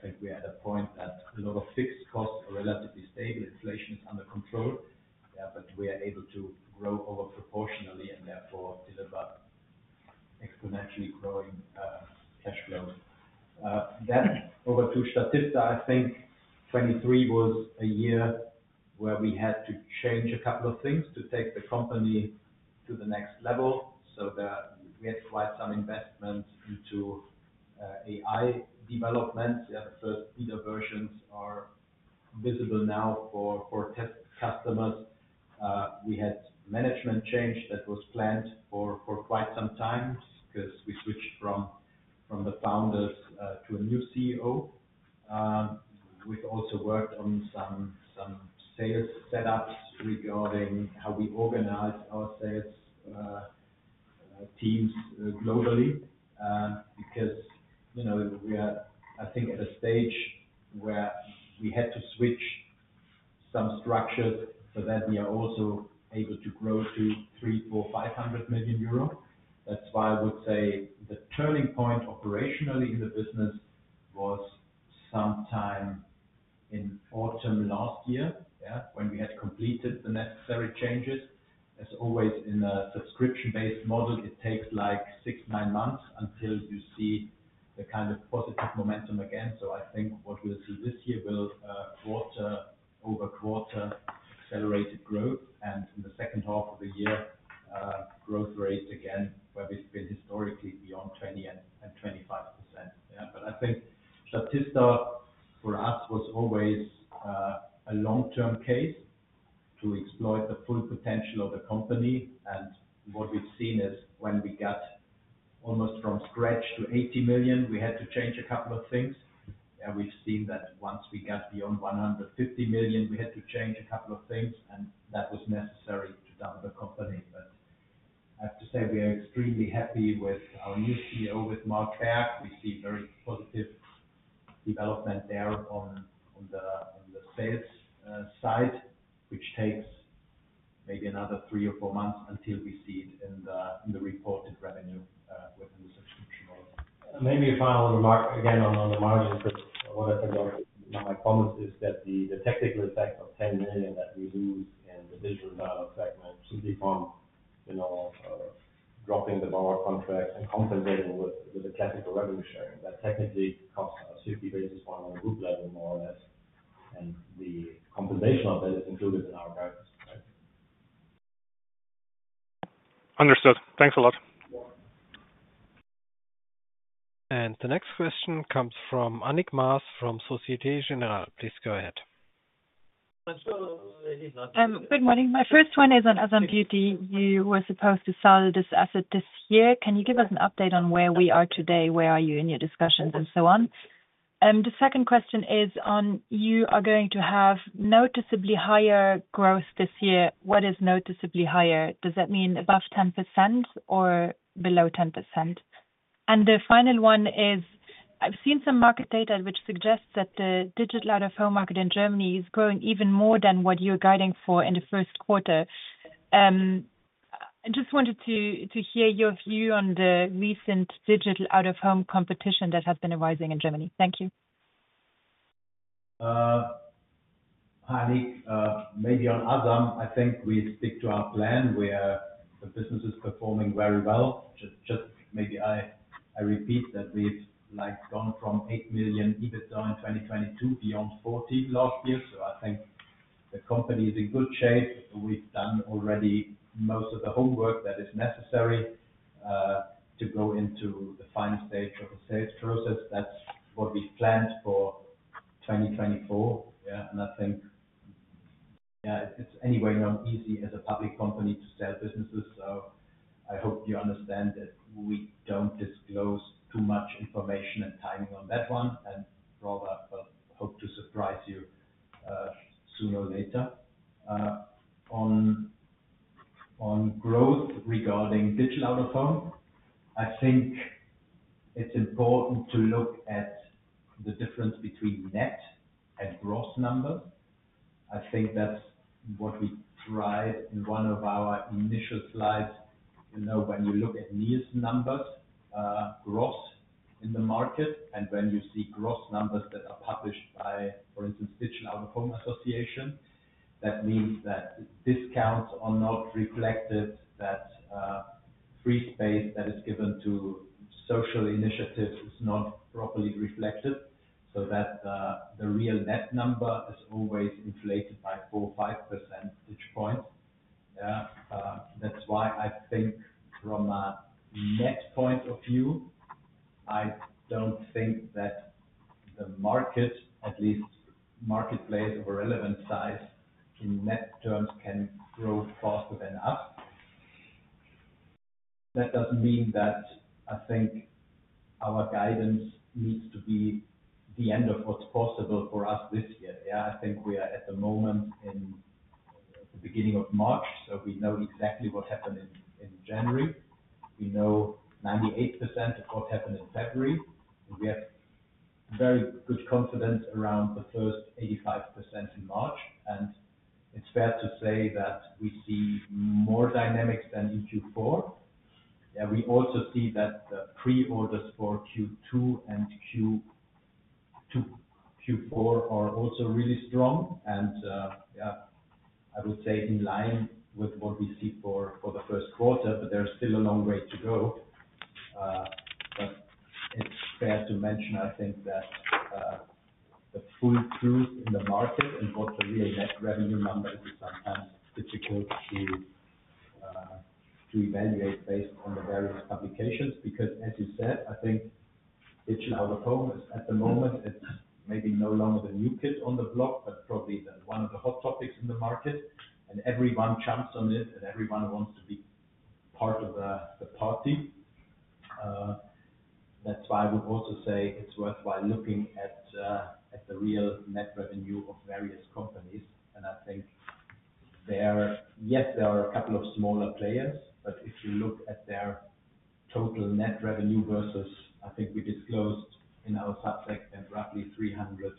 think we are at a point that a lot of fixed costs are relatively stable. Inflation is under control. But we are able to grow overproportionally and therefore deliver exponentially growing cash flows. Then over to Statista, I think 2023 was a year where we had to change a couple of things to take the company to the next level. So we had quite some investments into AI developments. The first beta versions are visible now for test customers. We had management change that was planned for quite some time because we switched from the founders to a new CEO. We've also worked on some sales setups regarding how we organize our sales teams globally because we are, I think, at a stage where we had to switch some structures so that we are also able to grow to 300 million, 400 million, 500 million euro. That's why I would say the turning point operationally in the business was sometime in autumn last year when we had completed the necessary changes. As always, in a subscription-based model, it takes like six, nine months until you see the kind of positive momentum again. So I think what we'll see this year will be quarter-over-quarter accelerated growth and in the second half of the year, growth rates again where we've been historically beyond 20% and 25%. But I think Statista for us was always a long-term case to exploit the full potential of the company. And what we've seen is when we got almost from scratch to 80 million, we had to change a couple of things. And we've seen that once we got beyond 150 million, we had to change a couple of things. And that was necessary to double the company. But I have to say we are extremely happy with our new CEO, with Marc Berg. We see very positive development there on the sales side, which takes maybe another three or four months until we see it in the reported revenue within the subscription model. Maybe a final remark again on the margins. But what I think my promise is that the technical effect of 10 million that we lose in the digital dialog segment simply from dropping the Bauer contract and compensating with the classical revenue sharing, that technically costs us 50 basis points on a group level, more or less. And the compensation of that is included in our guidance, right? Understood. Thanks a lot. And the next question comes from Annick Maas from Société Générale. Please go ahead. I'm sure it is not. Good morning. My first one is on AsamBeauty. You were supposed to sell this asset this year. Can you give us an update on where we are today? Where are you in your discussions and so on? The second question is on you are going to have noticeably higher growth this year. What is noticeably higher? Does that mean above 10% or below 10%? And the final one is I've seen some market data which suggests that the digital out-of-home market in Germany is growing even more than what you're guiding for in the first quarter. I just wanted to hear your view on the recent digital out-of-home competition that has been arising in Germany. Thank you. Hi, Annick. Maybe on AsamBeauty, I think we stick to our plan. The business is performing very well. Just maybe I repeat that we've gone from 8 million EBITDA in 2022 beyond 40 million last year. So I think the company is in good shape. We've done already most of the homework that is necessary to go into the final stage of the sales process. That's what we've planned for 2024. I think, yeah, it's anyway not easy as a public company to sell businesses. So I hope you understand that we don't disclose too much information and timing on that one and rather hope to surprise you sooner or later. On growth regarding digital out-of-home, I think it's important to look at the difference between net and gross numbers. I think that's what we tried in one of our initial slides. When you look at Nielsen numbers, gross in the market, and when you see gross numbers that are published by, for instance, Digital Out-of-Home Association, that means that discounts are not reflected, that free space that is given to social initiatives is not properly reflected, so that the real net number is always inflated by 4-5 percentage points. That's why I think from a net point of view, I don't think that the market, at least marketplace of a relevant size in net terms, can grow faster than us. That doesn't mean that I think our guidance needs to be the end of what's possible for us this year. I think we are at the moment in the beginning of March. So we know exactly what happened in January. We know 98% of what happened in February. And we have very good confidence around the first 85% in March. It's fair to say that we see more dynamics than in Q4. We also see that the pre-orders for Q2 and Q4 are also really strong. Yeah, I would say in line with what we see for the first quarter. But there's still a long way to go. It's fair to mention, I think, that the full truth in the market and what the real net revenue number is is sometimes difficult to evaluate based on the various publications because, as you said, I think digital out-of-home is at the moment, it's maybe no longer the new kid on the block but probably one of the hot topics in the market. Everyone jumps on it. Everyone wants to be part of the party. That's why I would also say it's worthwhile looking at the real net revenue of various companies. I think, yes, there are a couple of smaller players. But if you look at their total net revenue versus, I think we disclosed in our subsegment, roughly 300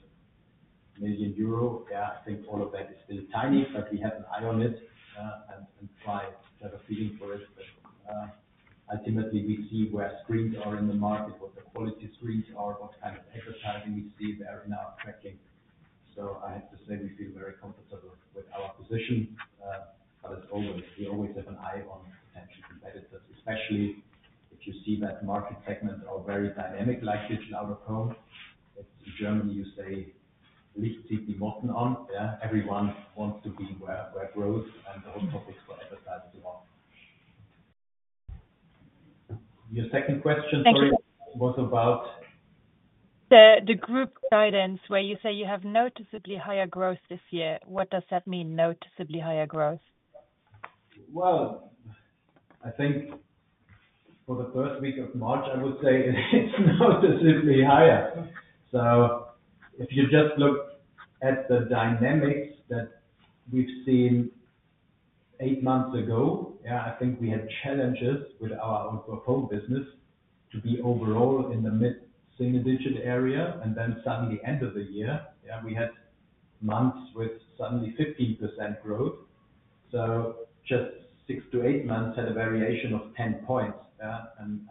million euro. I think all of that is still tiny. But we have an eye on it and try to have a feeling for it. But ultimately, we see where screens are in the market, what the quality screens are, what kind of advertising we see there in our tracking. So I have to say we feel very comfortable with our position. But we always have an eye on potential competitors, especially if you see that market segments are very dynamic like digital out-of-home. In Germany, you say, "Licht zieht die Motten an." Everyone wants to be where growth and the hot topics for advertisers are on. Your second question, sorry, was about. The group guidance where you say you have noticeably higher growth this year, what does that mean, noticeably higher growth? Well, I think for the first week of March, I would say it's noticeably higher. So if you just look at the dynamics that we've seen eight months ago, I think we had challenges with our out-of-home business to be overall in the mid-single-digit area. And then suddenly, end of the year, we had months with suddenly 15% growth. So just six to eight months had a variation of 10 points.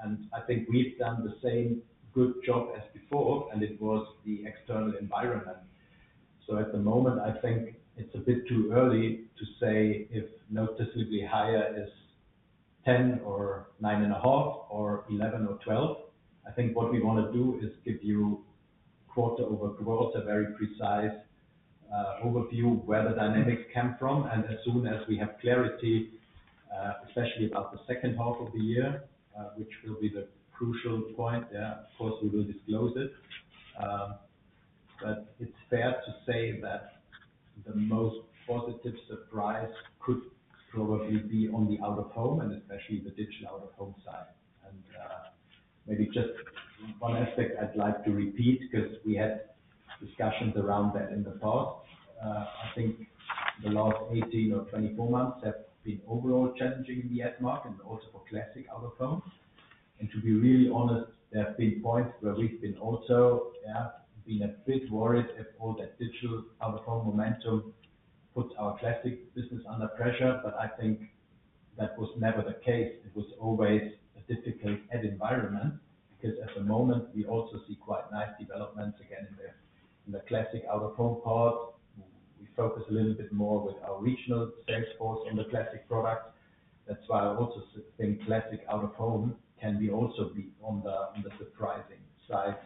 And I think we've done the same good job as before. And it was the external environment. So at the moment, I think it's a bit too early to say if noticeably higher is 10 or 9.5 or 11 or 12. I think what we want to do is give you quarter-over-quarter very precise overview where the dynamics came from. As soon as we have clarity, especially about the second half of the year, which will be the crucial point, of course, we will disclose it. It's fair to say that the most positive surprise could probably be on the out-of-home and especially the digital out-of-home side. Maybe just one aspect I'd like to repeat because we had discussions around that in the past. I think the last 18 or 24 months have been overall challenging in the ad market and also for classic out-of-home. To be really honest, there have been points where we've also been a bit worried if all that digital out-of-home momentum put our classic business under pressure. I think that was never the case. It was always a difficult environment because at the moment, we also see quite nice developments again in the classic out-of-home part. We focus a little bit more with our regional sales force on the classic products. That's why I also think classic out-of-home can also be on the surprising side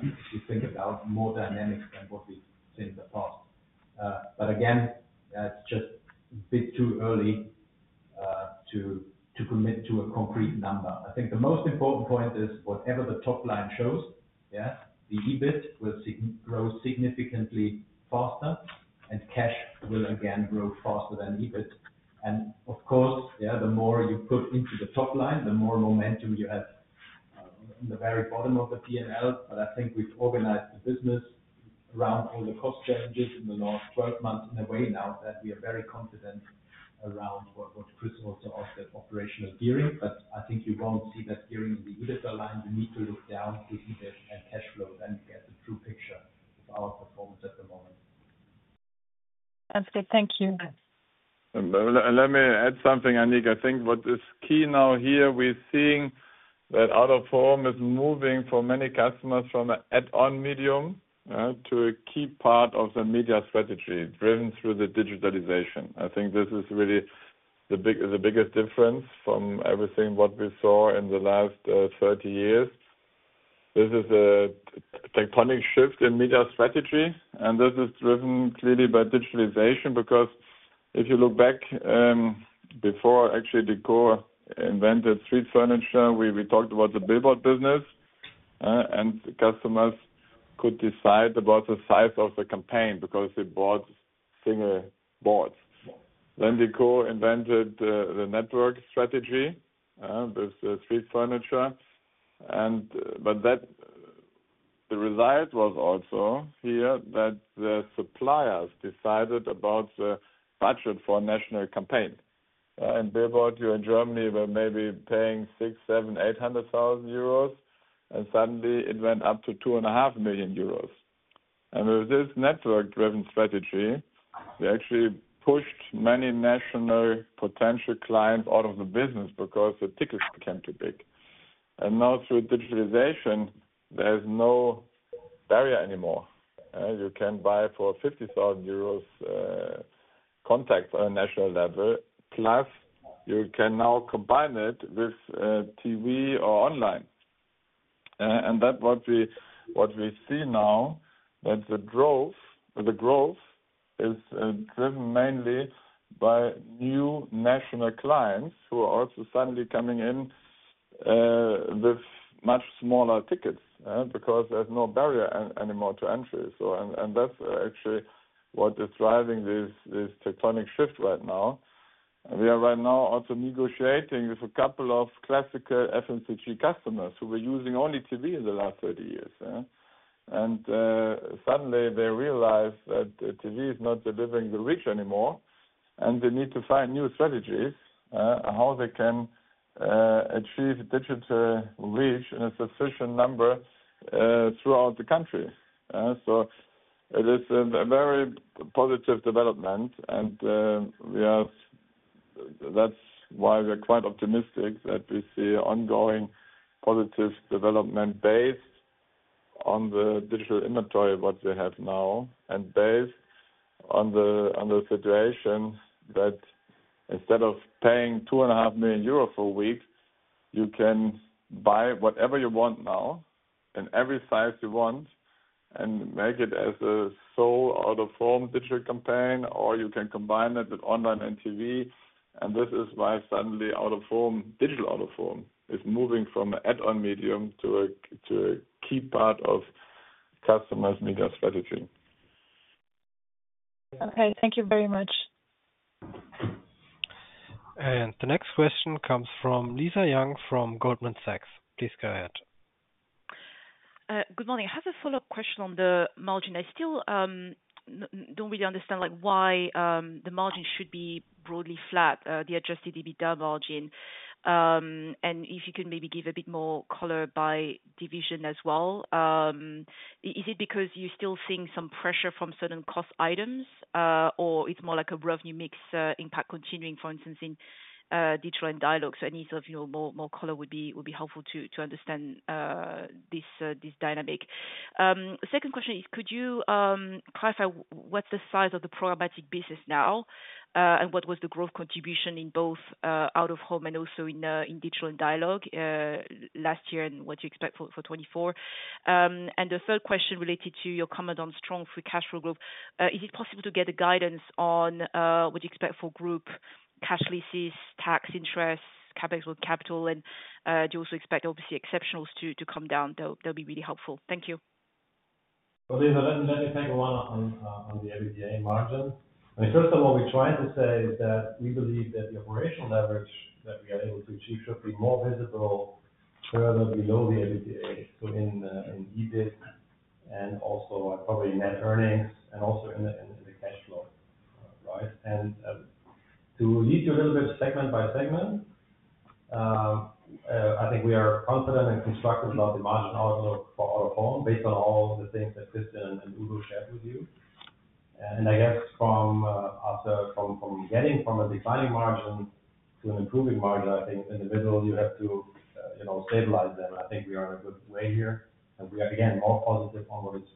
if you think about more dynamics than what we've seen in the past. But again, it's just a bit too early to commit to a concrete number. I think the most important point is whatever the top line shows, the EBIT will grow significantly faster. And cash will again grow faster than EBIT. And of course, the more you put into the top line, the more momentum you have in the very bottom of the P&L. But I think we've organized the business around all the cost challenges in the last 12 months in a way now that we are very confident around what Chris also asked, that operational gearing. But I think you won't see that gearing in the EBITDA line. You need to look down to EBIT and cash flow then to get the true picture of our performance at the moment. Sounds good. Thank you. Let me add something, Annick. I think what is key now here, we're seeing that out-of-home is moving for many customers from an add-on medium to a key part of the media strategy driven through the digitalization. I think this is really the biggest difference from everything what we saw in the last 30 years. This is a tectonic shift in media strategy. This is driven clearly by digitalization because if you look back before actually JCDecaux invented street furniture, we talked about the billboard business. Customers could decide about the size of the campaign because they bought single boards. Then JCDecaux invented the network strategy with street furniture. But the result was also here that the suppliers decided about the budget for a national campaign. And billboard, you in Germany were maybe paying 600,000-800,000 euros. And suddenly, it went up to 2.5 million euros. And with this network-driven strategy, we actually pushed many national potential clients out of the business because the tickets became too big. And now through digitalization, there's no barrier anymore. You can buy for 50,000 euros contacts on a national level. Plus, you can now combine it with TV or online. That's what we see now, that the growth is driven mainly by new national clients who are also suddenly coming in with much smaller tickets because there's no barrier anymore to entry. That's actually what is driving this tectonic shift right now. We are right now also negotiating with a couple of classical FMCG customers who were using only TV in the last 30 years. Suddenly, they realize that TV is not delivering the reach anymore. They need to find new strategies, how they can achieve digital reach in a sufficient number throughout the country. So it is a very positive development. And that's why we're quite optimistic that we see ongoing positive development based on the digital inventory what we have now and based on the situation that instead of paying 2.5 million euro per week, you can buy whatever you want now in every size you want and make it as a sole out-of-home digital campaign. Or you can combine it with online and TV. And this is why suddenly, digital out-of-home is moving from an add-on medium to a key part of customers' media strategy. Okay. Thank you very much. And the next question comes from Lisa Yang from Goldman Sachs. Please go ahead. Good morning. I have a follow-up question on the margin. I still don't really understand why the margin should be broadly flat, the Adjusted EBITDA margin. And if you can maybe give a bit more color by division as well. Is it because you still see some pressure from certain cost items? Or it's more like a revenue mix impact continuing, for instance, in Digital & Dialog? So any sort of more color would be helpful to understand this dynamic. Second question is, could you clarify what's the size of the programmatic business now? And what was the growth contribution in both out-of-home and also in Digital & Dialog last year and what you expect for 2024? And the third question related to your comment on strong free cash flow growth, is it possible to get a guidance on what you expect for group cash leases, tax, interest, CapEx on capital, and do you also expect, obviously, exceptionals to come down? That'll be really helpful. Thank you. Well, Lisa, let me take a one on the EBITDA margin. I mean, first of all, what we're trying to say is that we believe that the operational leverage that we are able to achieve should be more visible further below the EBITDA, so in EBIT and also probably net earnings and also in the cash flow, right? To lead you a little bit segment by segment, I think we are confident and constructive about the margin outlook for out-of-home based on all the things that Christian and Udo shared with you. I guess after getting from a declining margin to an improving margin, I think in the middle, you have to stabilize them. I think we are in a good way here. We are, again, more positive on what is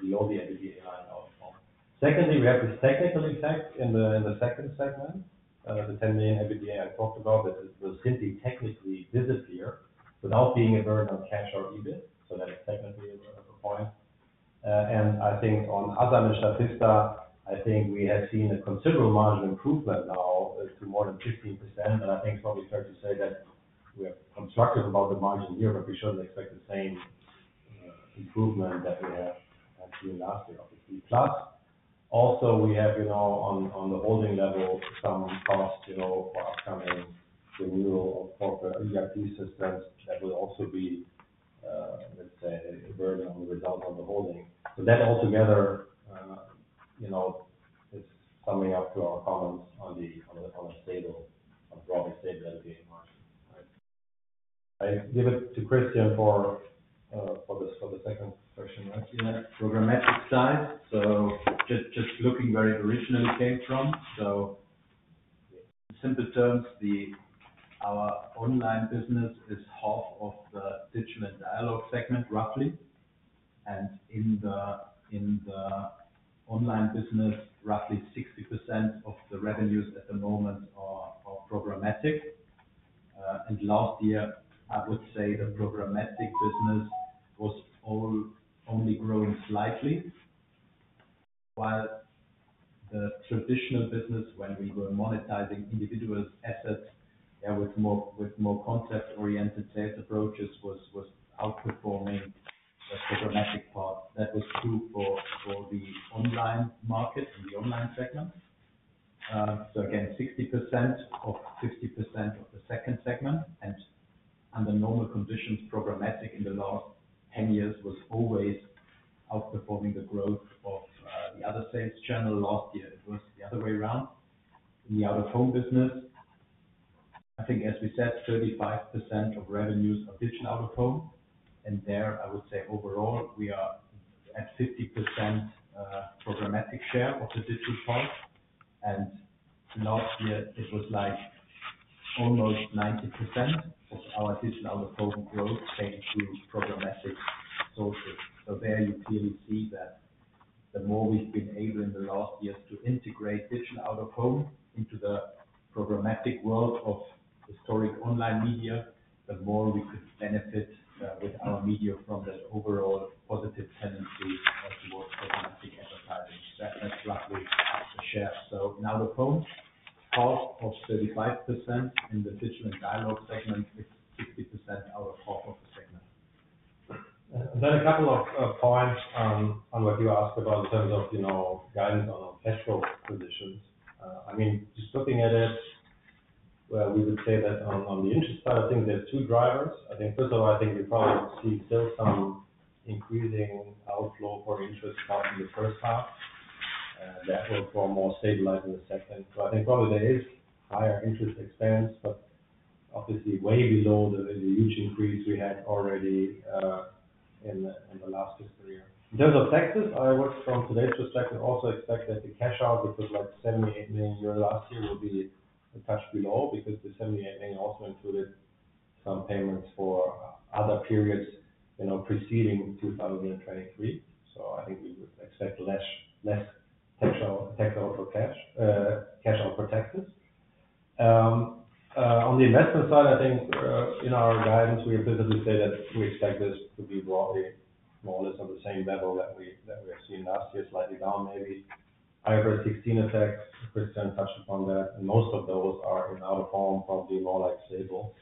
below the EBITDA line out-of-home. Secondly, we have this technical effect in the second segment, the 10 million EBITDA I talked about, that will simply technically disappear without being a burden on cash or EBIT. So that is technically a point. And I think on AsamBeauty and Statista, I think we have seen a considerable margin improvement now to more than 15%. And I think it's probably fair to say that we are constructive about the margin here. But we shouldn't expect the same improvement that we have seen last year, obviously. Plus, also, we have on the holding level some cost for upcoming renewal of ERP systems that will also be, let's say, a burden on the result of the holding. So that altogether is summing up to our comments on a broadly stable EBITDA margin, right? I give it to Christian for the second question, right? Yeah. Programmatic side, so just looking where it originally came from. So in simple terms, our online business is half of the Digital & Dialog segment, roughly. And in the online business, roughly 60% of the revenues at the moment are programmatic. And last year, I would say the programmatic business was only growing slightly. While the traditional business, when we were monetizing individual assets with more concept-oriented sales approaches, was outperforming the programmatic part, that was true for the online market and the online segment. So again, 60% of 50% of the second segment. And under normal conditions, programmatic in the last 10 years was always outperforming the growth of the other sales channel. Last year, it was the other way around. In the out-of-home business, I think, as we said, 35% of revenues are digital out-of-home. There, I would say overall, we are at 50% programmatic share of the digital part. Last year, it was almost 90% of our digital out-of-home growth came through programmatic sources. So there, you clearly see that the more we've been able in the last years to integrate digital out-of-home into the programmatic world of historic online media, the more we could benefit with our media from that overall positive tendency towards programmatic advertising. That's roughly the share. So in out-of-home, half of 35% in the Digital & Dialog segment is 60% out of half of the segment. Then a couple of points on what you asked about in terms of guidance on cash flow positions. I mean, just looking at it, well, we would say that on the interest side, I think there's two drivers. I think, first of all, I think you probably see still some increasing outflow for interest cost in the first half. That will form more stabilized in the second. So I think probably there is higher interest expense, but obviously way below the huge increase we had already in the last fiscal year. In terms of taxes, I would, from today's perspective, also expect that the cash out, which was 78 million euro last year, will be a touch below because the 78 million also included some payments for other periods preceding 2023. So I think we would expect less tax out for cash out for taxes. On the investment side, I think in our guidance, we have visibly said that we expect this to be broadly more or less on the same level that we have seen last year, slightly down maybe. IFRS 16 effects, Christian touched upon that. And most of those are in out-of-home, probably more stable.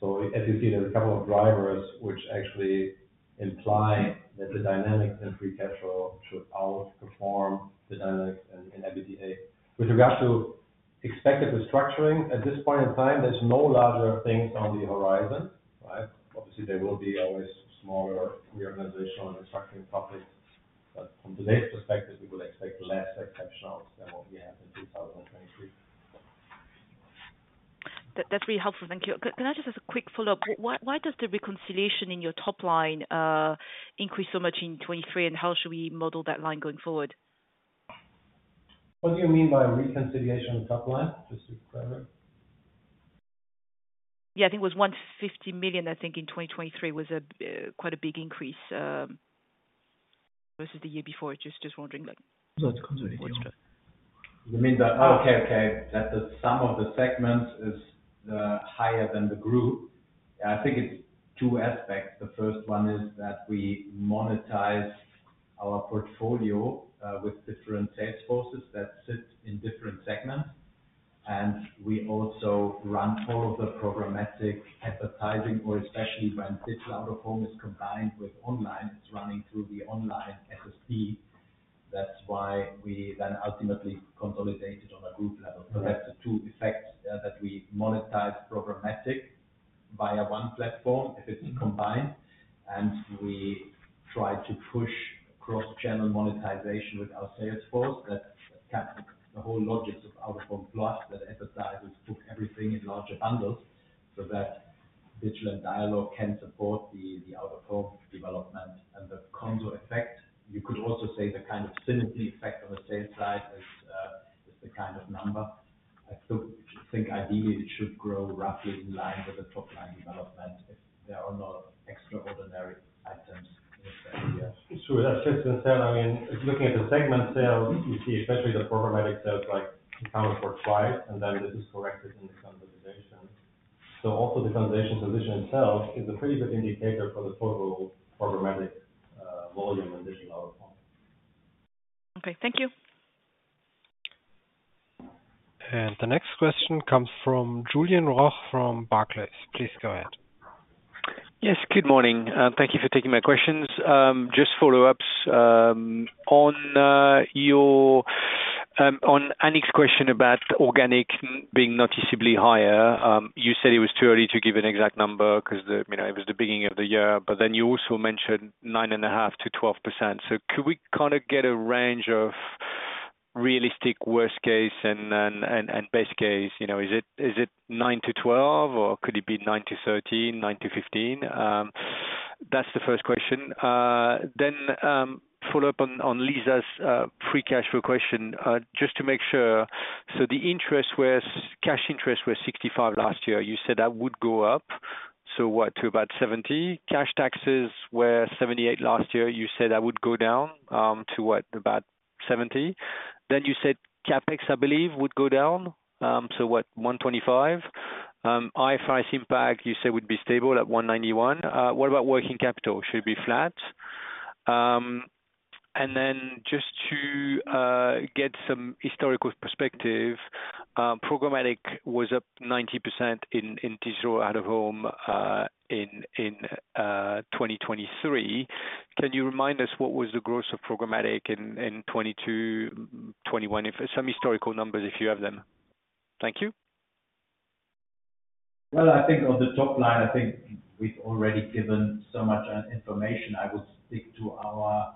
So as you see, there's a couple of drivers which actually imply that the dynamics in free cash flow should outperform the dynamics in EBITDA. With regard to expected restructuring, at this point in time, there's no larger things on the horizon, right? Obviously, there will be always smaller reorganizational and restructuring topics. But from today's perspective, we would expect less exceptionals than what we had in 2023. That's really helpful. Thank you. Can I just ask a quick follow-up? Why does the reconciliation in your top line increase so much in 2023? And how should we model that line going forward? What do you mean by reconciliation of the top line? Just to clarify. Yeah. I think it was 150 million, I think, in 2023 was quite a big increase versus the year before. Just wondering. That's considered a year. You mean that? Oh, okay. Okay. That the sum of the segments is higher than the group. Yeah. I think it's two aspects. The first one is that we monetize our portfolio with different sales forces that sit in different segments. And we also run all of the programmatic advertising, or especially when digital out-of-home is combined with online, it's running through the online SSP. That's why we then ultimately consolidated on a group level. So that's the two effects, that we monetize programmatic via one platform if it's combined. And we try to push cross-channel monetization with our sales force. That's the whole logic of Out-of-Home plus that advertisers book everything in larger bundles so that Digital & Dialog can support the out-of-home development. And the consolidation effect, you could also say the kind of synergy effect on the sales side is the kind of number. I think ideally, it should grow roughly in line with the top line development if there are no extraordinary items in the second year. Sure. That's just to say, I mean, looking at the segment sales, you see especially the programmatic sales accounted for twice. And then this is corrected in the consolidation. So also, the consolidation position itself is a pretty good indicator for the total programmatic volume in digital out-of-home. Okay. Thank you. And the next question comes from Julien from Barclays. Please go ahead. Yes. Good morning. Thank you for taking my questions. Just follow-ups. On Annick's question about organic being noticeably higher, you said it was too early to give an exact number because it was the beginning of the year. But then you also mentioned 9.5%-12%. So could we kind of get a range of realistic worst case and best case? Is it 9%-12%? Or could it be 9%-13%, 9%-15%? That's the first question. Then follow up on Lisa's free cash flow question just to make sure. So the cash interest was 65 million last year. You said that would go up, so what, to about 70 million? Cash taxes were 78 million last year. You said that would go down to, what, about 70 million? Then you said CapEx, I believe, would go down, so what, 125 million? IFRS impact, you said, would be stable at 191 million. What about working capital? Should it be flat? And then just to get some historical perspective, programmatic was up 90% in digital out-of-home in 2023. Can you remind us what was the growth of programmatic in 2022, 2021, some historical numbers if you have them? Thank you. Well, I think on the top line, I think we've already given so much information. I would stick to our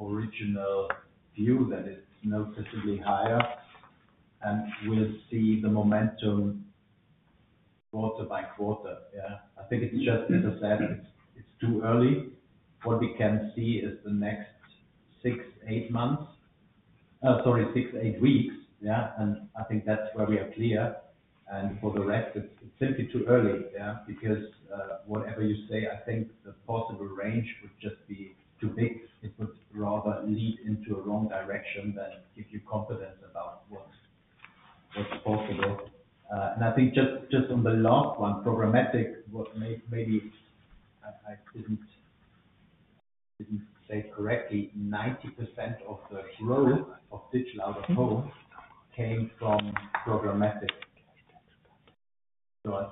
original view that it's noticeably higher. And we'll see the momentum quarter by quarter, yeah? I think it's just, as I said, it's too early. What we can see is the next six, eight months sorry, six, eight weeks, yeah? And I think that's where we are clear. And for the rest, it's simply too early, yeah? Because whatever you say, I think the possible range would just be too big. It would rather lead into a wrong direction than give you confidence about what's possible. And I think just on the last one, programmatic, what maybe I didn't say correctly, 90% of the growth of digital out-of-home came from programmatic. So I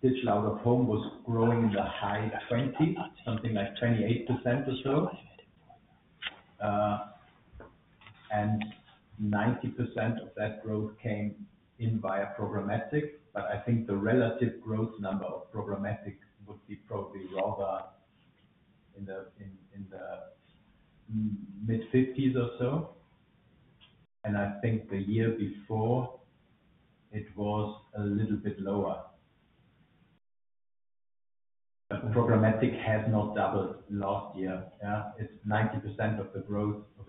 think digital out-of-home was growing in the high 20s, something like 28% or so. And 90% of that growth came in via programmatic. But I think the relative growth number of programmatic would be probably rather in the mid-50s or so. And I think the year before, it was a little bit lower. Programmatic has not doubled last year, yeah? It's 90% of the growth of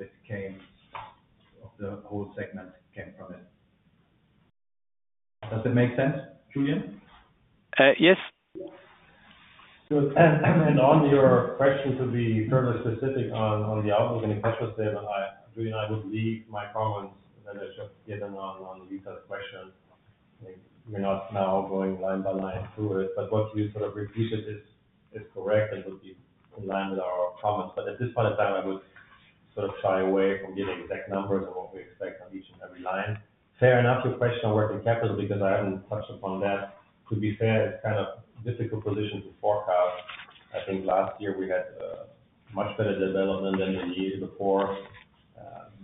the whole segment came from it. Does that make sense, Julien? Yes. And on your question, to be further specific on the outlook and the cash flow statement, Julien and I would leave my comments that I just given on Lisa's question. We're not now going line by line through it. But what you sort of repeated is correct and would be in line with our comments. But at this point in time, I would sort of shy away from giving exact numbers and what we expect on each and every line. Fair enough. Your question on working capital, because I haven't touched upon that. To be fair, it's kind of a difficult position to forecast. I think last year, we had much better development than the year before.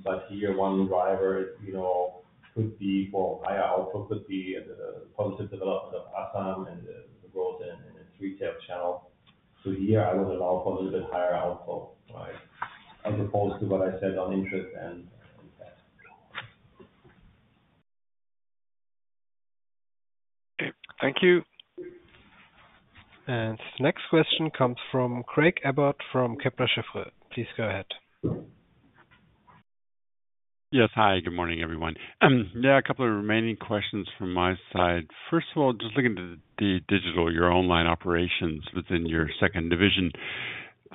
But here, one driver could be for higher output could be the positive development of Asam and the growth in its retail channel. So here, I would allow for a little bit higher output, right, as opposed to what I said on interest and tax. Okay. Thank you. And the next question comes from Craig Abbott from Kepler Cheuvreux. Please go ahead. Yes. Hi. Good morning, everyone. Yeah. A couple of remaining questions from my side. First of all, just looking at the digital, your online operations within your second division.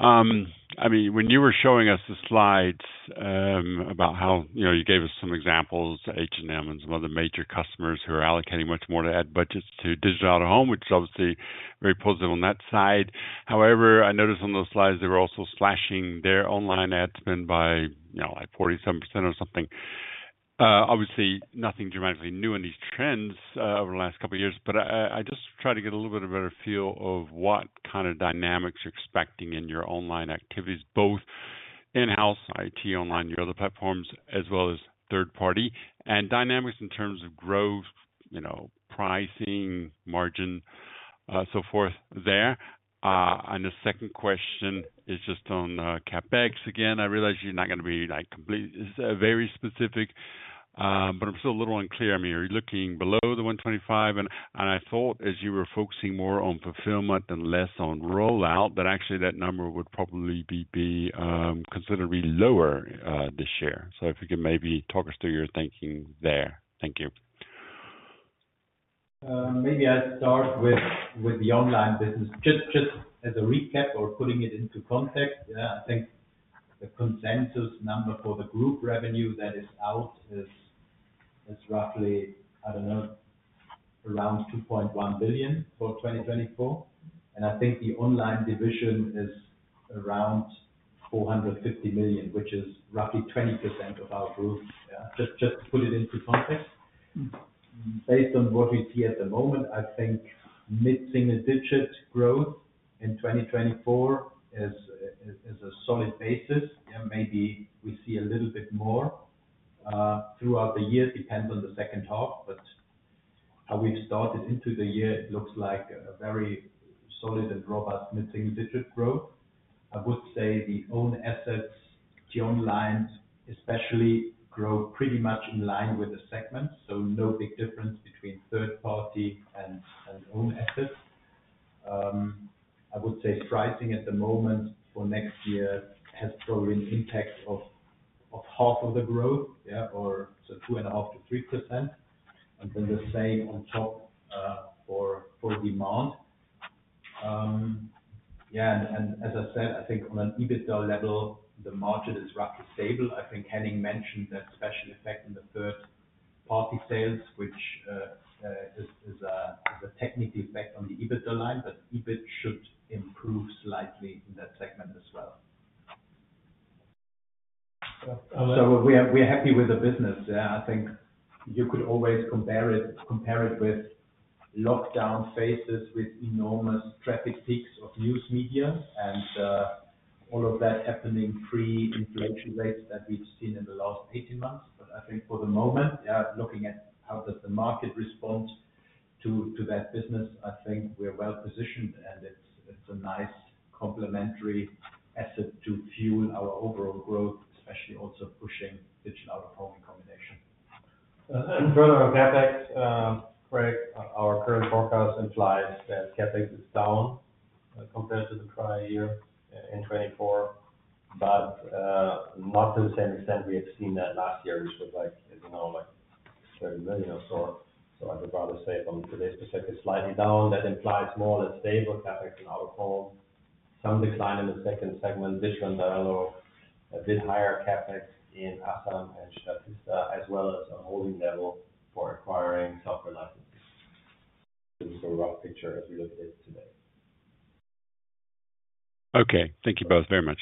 I mean, when you were showing us the slides about how you gave us some examples, H&M and some other major customers who are allocating much more to ad budgets to digital out-of-home, which is obviously very positive on that side. However, I noticed on those slides, they were also slashing their online ad spend by 47% or something. Obviously, nothing dramatically new in these trends over the last couple of years. But I just tried to get a little bit of a better feel of what kind of dynamics you're expecting in your online activities, both in-house, IT, online, your other platforms, as well as third-party and dynamics in terms of growth, pricing, margin, so forth there. The second question is just on CapEx again. I realize you're not going to be completely, it's very specific. But I'm still a little unclear. I mean, are you looking below the 125? And I thought as you were focusing more on fulfillment and less on rollout, that actually that number would probably be considered to be lower this year. So if you could maybe talk us through your thinking there. Thank you. Maybe I start with the online business just as a recap or putting it into context, yeah? I think the consensus number for the group revenue that is out is roughly, I don't know, around 2.1 billion for 2024. And I think the online division is around 450 million, which is roughly 20% of our group, yeah, just to put it into context. Based on what we see at the moment, I think mid-single-digit growth in 2024 is a solid basis. Maybe we see a little bit more throughout the year. Depends on the second half. But how we've started into the year, it looks like a very solid and robust mid-single-digit growth. I would say the own assets, the onlines, especially, grow pretty much in line with the segments. So no big difference between third-party and own assets. I would say pricing at the moment for next year has probably an impact of half of the growth, yeah, or so 2.5%-3%. And then the same on top for demand. Yeah. And as I said, I think on an EBITDA level, the margin is roughly stable. I think Henning mentioned that special effect on the third-party sales, which is a technical effect on the EBITDA line. But EBIT should improve slightly in that segment as well. So we're happy with the business, yeah? I think you could always compare it with lockdown phases with enormous traffic peaks of news media and all of that happening pre-inflation rates that we've seen in the last 18 months. But I think for the moment, yeah, looking at how does the market respond to that business, I think we're well-positioned. And it's a nice complementary asset to fuel our overall growth, especially also pushing digital out-of-home in combination. And further on CapEx, Craig, our current forecast implies that CapEx is down compared to the prior year in 2024. But not to the same extent we have seen that last year, which was, as you know, 30 million or so. So I would rather say from today's perspective, slightly down. That implies more or less stable CapEx in out-of-home, some decline in the second segment, Digital & Dialog, a bit higher CapEx in AsamBeauty and Statista as well as on holding level for acquiring software licenses. This is a rough picture as we look at it today. Okay. Thank you both very much.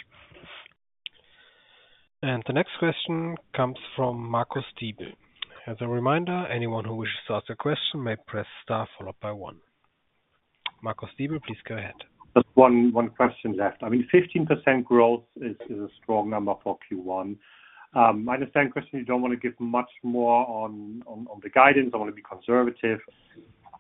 And the next question comes from Marcus Diebel. As a reminder, anyone who wishes to ask a question may press star followed by one. Marcus Diebel, please go ahead. Just one question left. I mean, 15% growth is a strong number for Q1. I understand, Christian, you don't want to give much more on the guidance. I want to be conservative.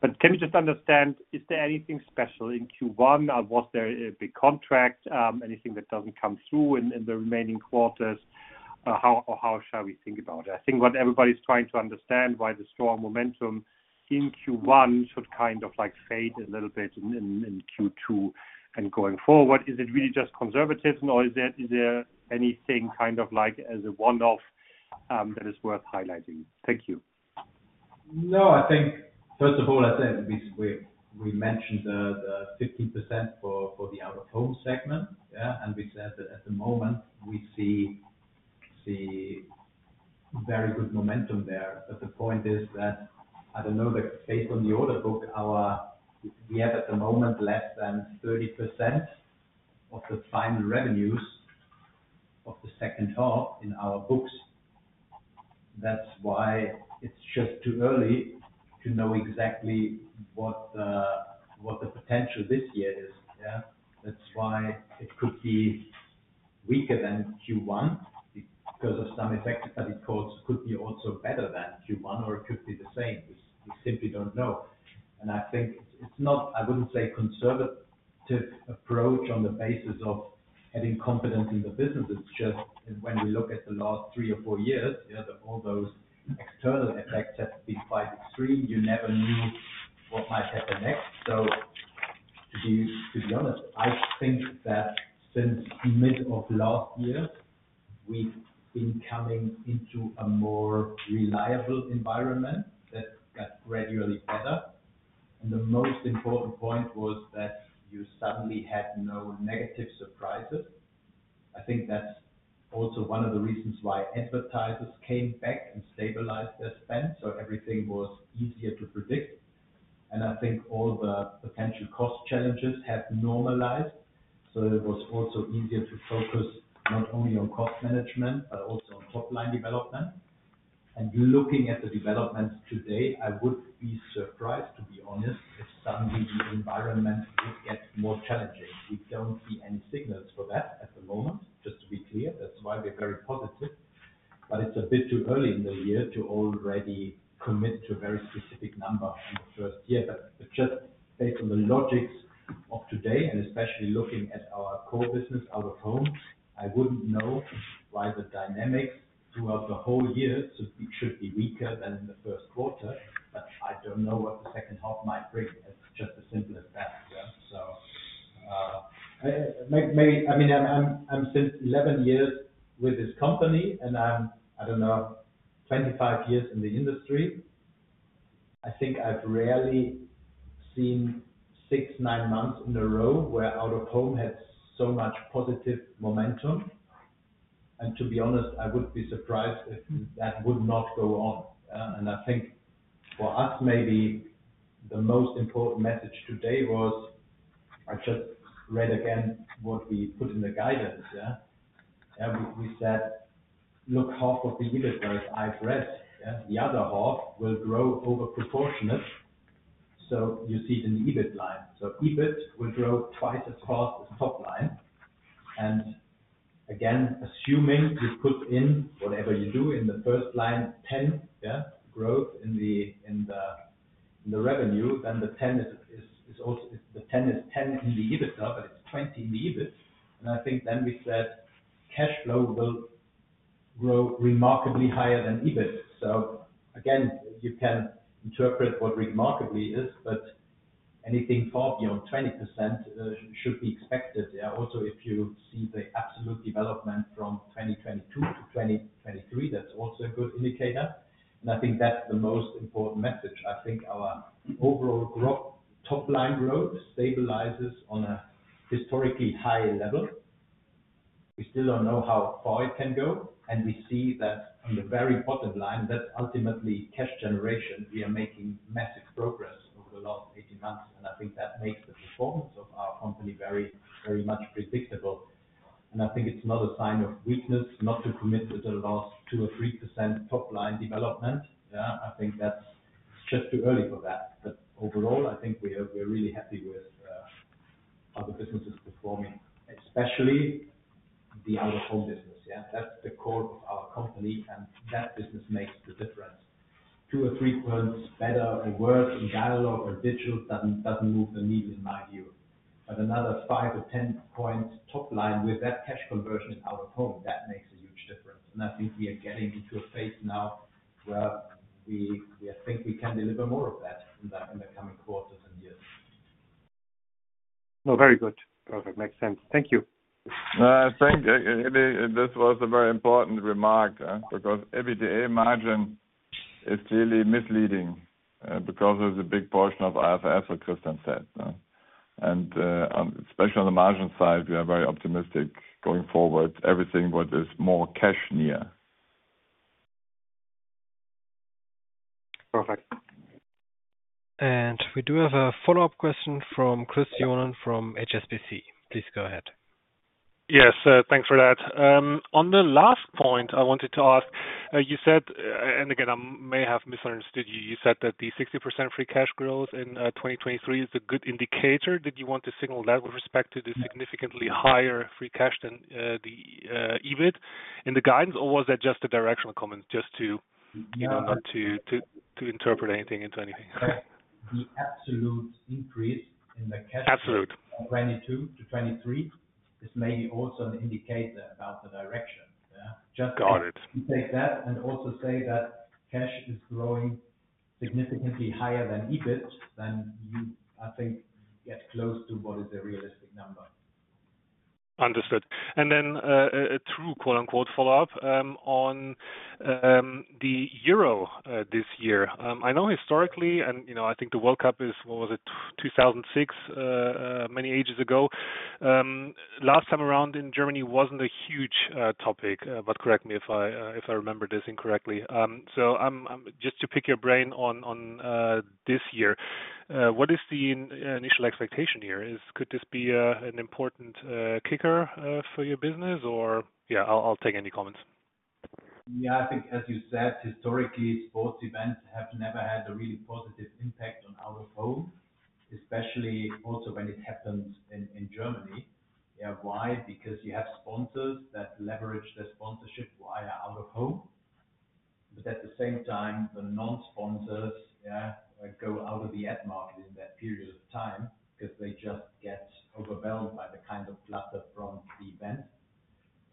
But can you just understand, is there anything special in Q1? Was there a big contract? Anything that doesn't come through in the remaining quarters? Or how shall we think about it? I think what everybody's trying to understand, why the strong momentum in Q1 should kind of fade a little bit in Q2 and going forward, is it really just seasonals? Or is there anything kind of as a one-off that is worth highlighting? Thank you. No. First of all, I'd say we mentioned the 15% for the out-of-home segment, yeah? And we said that at the moment, we see very good momentum there. But the point is that I don't know that based on the order book, we have at the moment less than 30% of the final revenues of the second half in our books. That's why it's just too early to know exactly what the potential this year is, yeah? That's why it could be weaker than Q1 because of some effects. But it could be also better than Q1. Or it could be the same. We simply don't know. I think it's not, I wouldn't say, a conservative approach on the basis of adding confidence in the business. It's just when we look at the last three or four years, yeah, all those external effects have been quite extreme. You never knew what might happen next. To be honest, I think that since mid of last year, we've been coming into a more reliable environment that got gradually better. The most important point was that you suddenly had no negative surprises. I think that's also one of the reasons why advertisers came back and stabilized their spend. Everything was easier to predict. I think all the potential cost challenges have normalized. It was also easier to focus not only on cost management but also on top-line development. Looking at the developments today, I would be surprised, to be honest, if suddenly the environment would get more challenging. We don't see any signals for that at the moment, just to be clear. That's why we're very positive. But it's a bit too early in the year to already commit to a very specific number in the first year. But just based on the logics of today and especially looking at our core business, out-of-home, I wouldn't know why the dynamics throughout the whole year should be weaker than in the first quarter. But I don't know what the second half might bring. It's just as simple as that, yeah? So I mean, I'm since 11 years with this company. And I don't know, 25 years in the industry. I think I've rarely seen six, nine months in a row where out-of-home had so much positive momentum. And to be honest, I would be surprised if that would not go on, yeah? And I think for us, maybe the most important message today was I just read again what we put in the guidance, yeah? Yeah. We said, "Look, half of the EBITDA is IFRS, yeah? The other half will grow overproportionate." So you see it in the EBIT line. So EBIT will grow twice as fast as top-line. And again, assuming you put in, whatever you do in the first line, 10, yeah, growth in the revenue, then the 10 is also the 10 is 10 in the EBITDA, but it's 20 in the EBIT. And I think then we said, "Cash flow will grow remarkably higher than EBIT." So again, you can interpret what remarkably is. But anything far beyond 20% should be expected, yeah? Also, if you see the absolute development from 2022-2023, that's also a good indicator. I think that's the most important message. I think our overall top-line growth stabilizes on a historically high level. We still don't know how far it can go. We see that on the very bottom line, that's ultimately cash generation. We are making massive progress over the last 18 months. I think that makes the performance of our company very, very much predictable. I think it's not a sign of weakness, not to commit to the last 2% or 3% top-line development, yeah? I think it's just too early for that. Overall, I think we're really happy with how the business is performing, especially the out-of-home business, yeah? That's the core of our company. That business makes the difference. Two or three points better or worse in Dialog or Digital doesn't move the needle in my view. But another five or 10-point top-line with that cash conversion in out-of-home, that makes a huge difference. And I think we are getting into a phase now where we think we can deliver more of that in the coming quarters and years. No, very good. Perfect. Makes sense. Thank you. I think this was a very important remark because EBITDA margin is clearly misleading because of the big portion of IFRS, as Christian said, yeah? And especially on the margin side, we are very optimistic going forward, everything what is more cash near. Perfect. And we do have a follow-up question from Chris Johnen from HSBC. Please go ahead. Yes. Thanks for that. On the last point, I wanted to ask, you said and again, I may have misunderstood you. You said that the 60% free cash growth in 2023 is a good indicator. Did you want to signal that with respect to the significantly higher free cash than the EBIT in the guidance? Or was that just a directional comment just to not to interpret anything into anything? The absolute increase in the cash from 2022 to 2023 is maybe also an indicator about the direction, yeah? Just to take that and also say that cash is growing significantly higher than EBIT, then you, I think, get close to what is a realistic number. Understood. And then a true "follow-up" on the Euro this year. I know historically and I think the World Cup is, what was it, 2006, many ages ago. Last time around in Germany wasn't a huge topic. But correct me if I remember this incorrectly. So just to pick your brain on this year, what is the initial expectation here? Could this be an important kicker for your business? Or yeah, I'll take any comments. Yeah. I think as you said, historically, sports events have never had a really positive impact on out-of-home, especially also when it happens in Germany, yeah? Why? Because you have sponsors that leverage their sponsorship via out-of-home. But at the same time, the non-sponsors, yeah, go out of the ad market in that period of time because they just get overwhelmed by the kind of clutter from the event.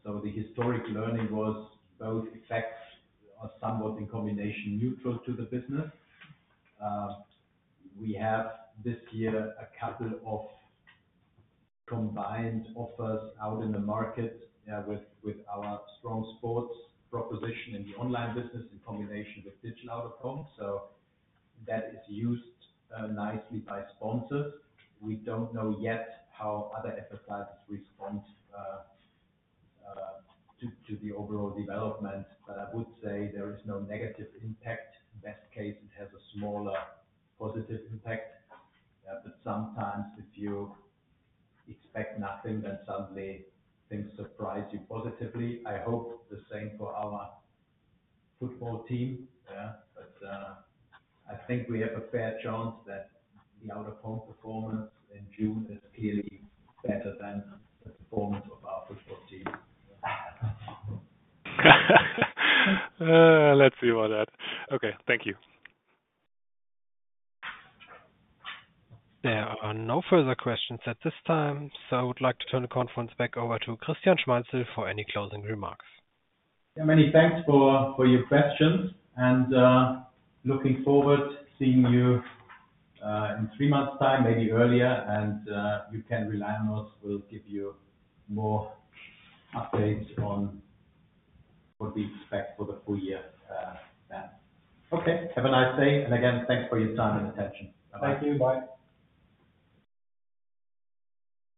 So the historic learning was both effects are somewhat in combination neutral to the business. We have this year a couple of combined offers out in the market, yeah, with our strong sports proposition in the online business in combination with digital out-of-home. So that is used nicely by sponsors. We don't know yet how other advertisers respond to the overall development. But I would say there is no negative impact. Best case, it has a smaller positive impact, yeah? But sometimes if you expect nothing, then suddenly things surprise you positively. I hope the same for our football team, yeah? But I think we have a fair chance that the out-of-home performance in June is clearly better than the performance of our football team, yeah? Let's see about that. Okay. Thank you. There are no further questions at this time. So I would like to turn the conference back over to Christian Schmalzl for any closing remarks. Yeah. Many thanks for your questions. And looking forward, seeing you in three months' time, maybe earlier. And you can rely on us. We'll give you more updates on what we expect for the full year then. Okay. Have a nice day. And again, thanks for your time and attention. Bye-bye. Thank you. Bye.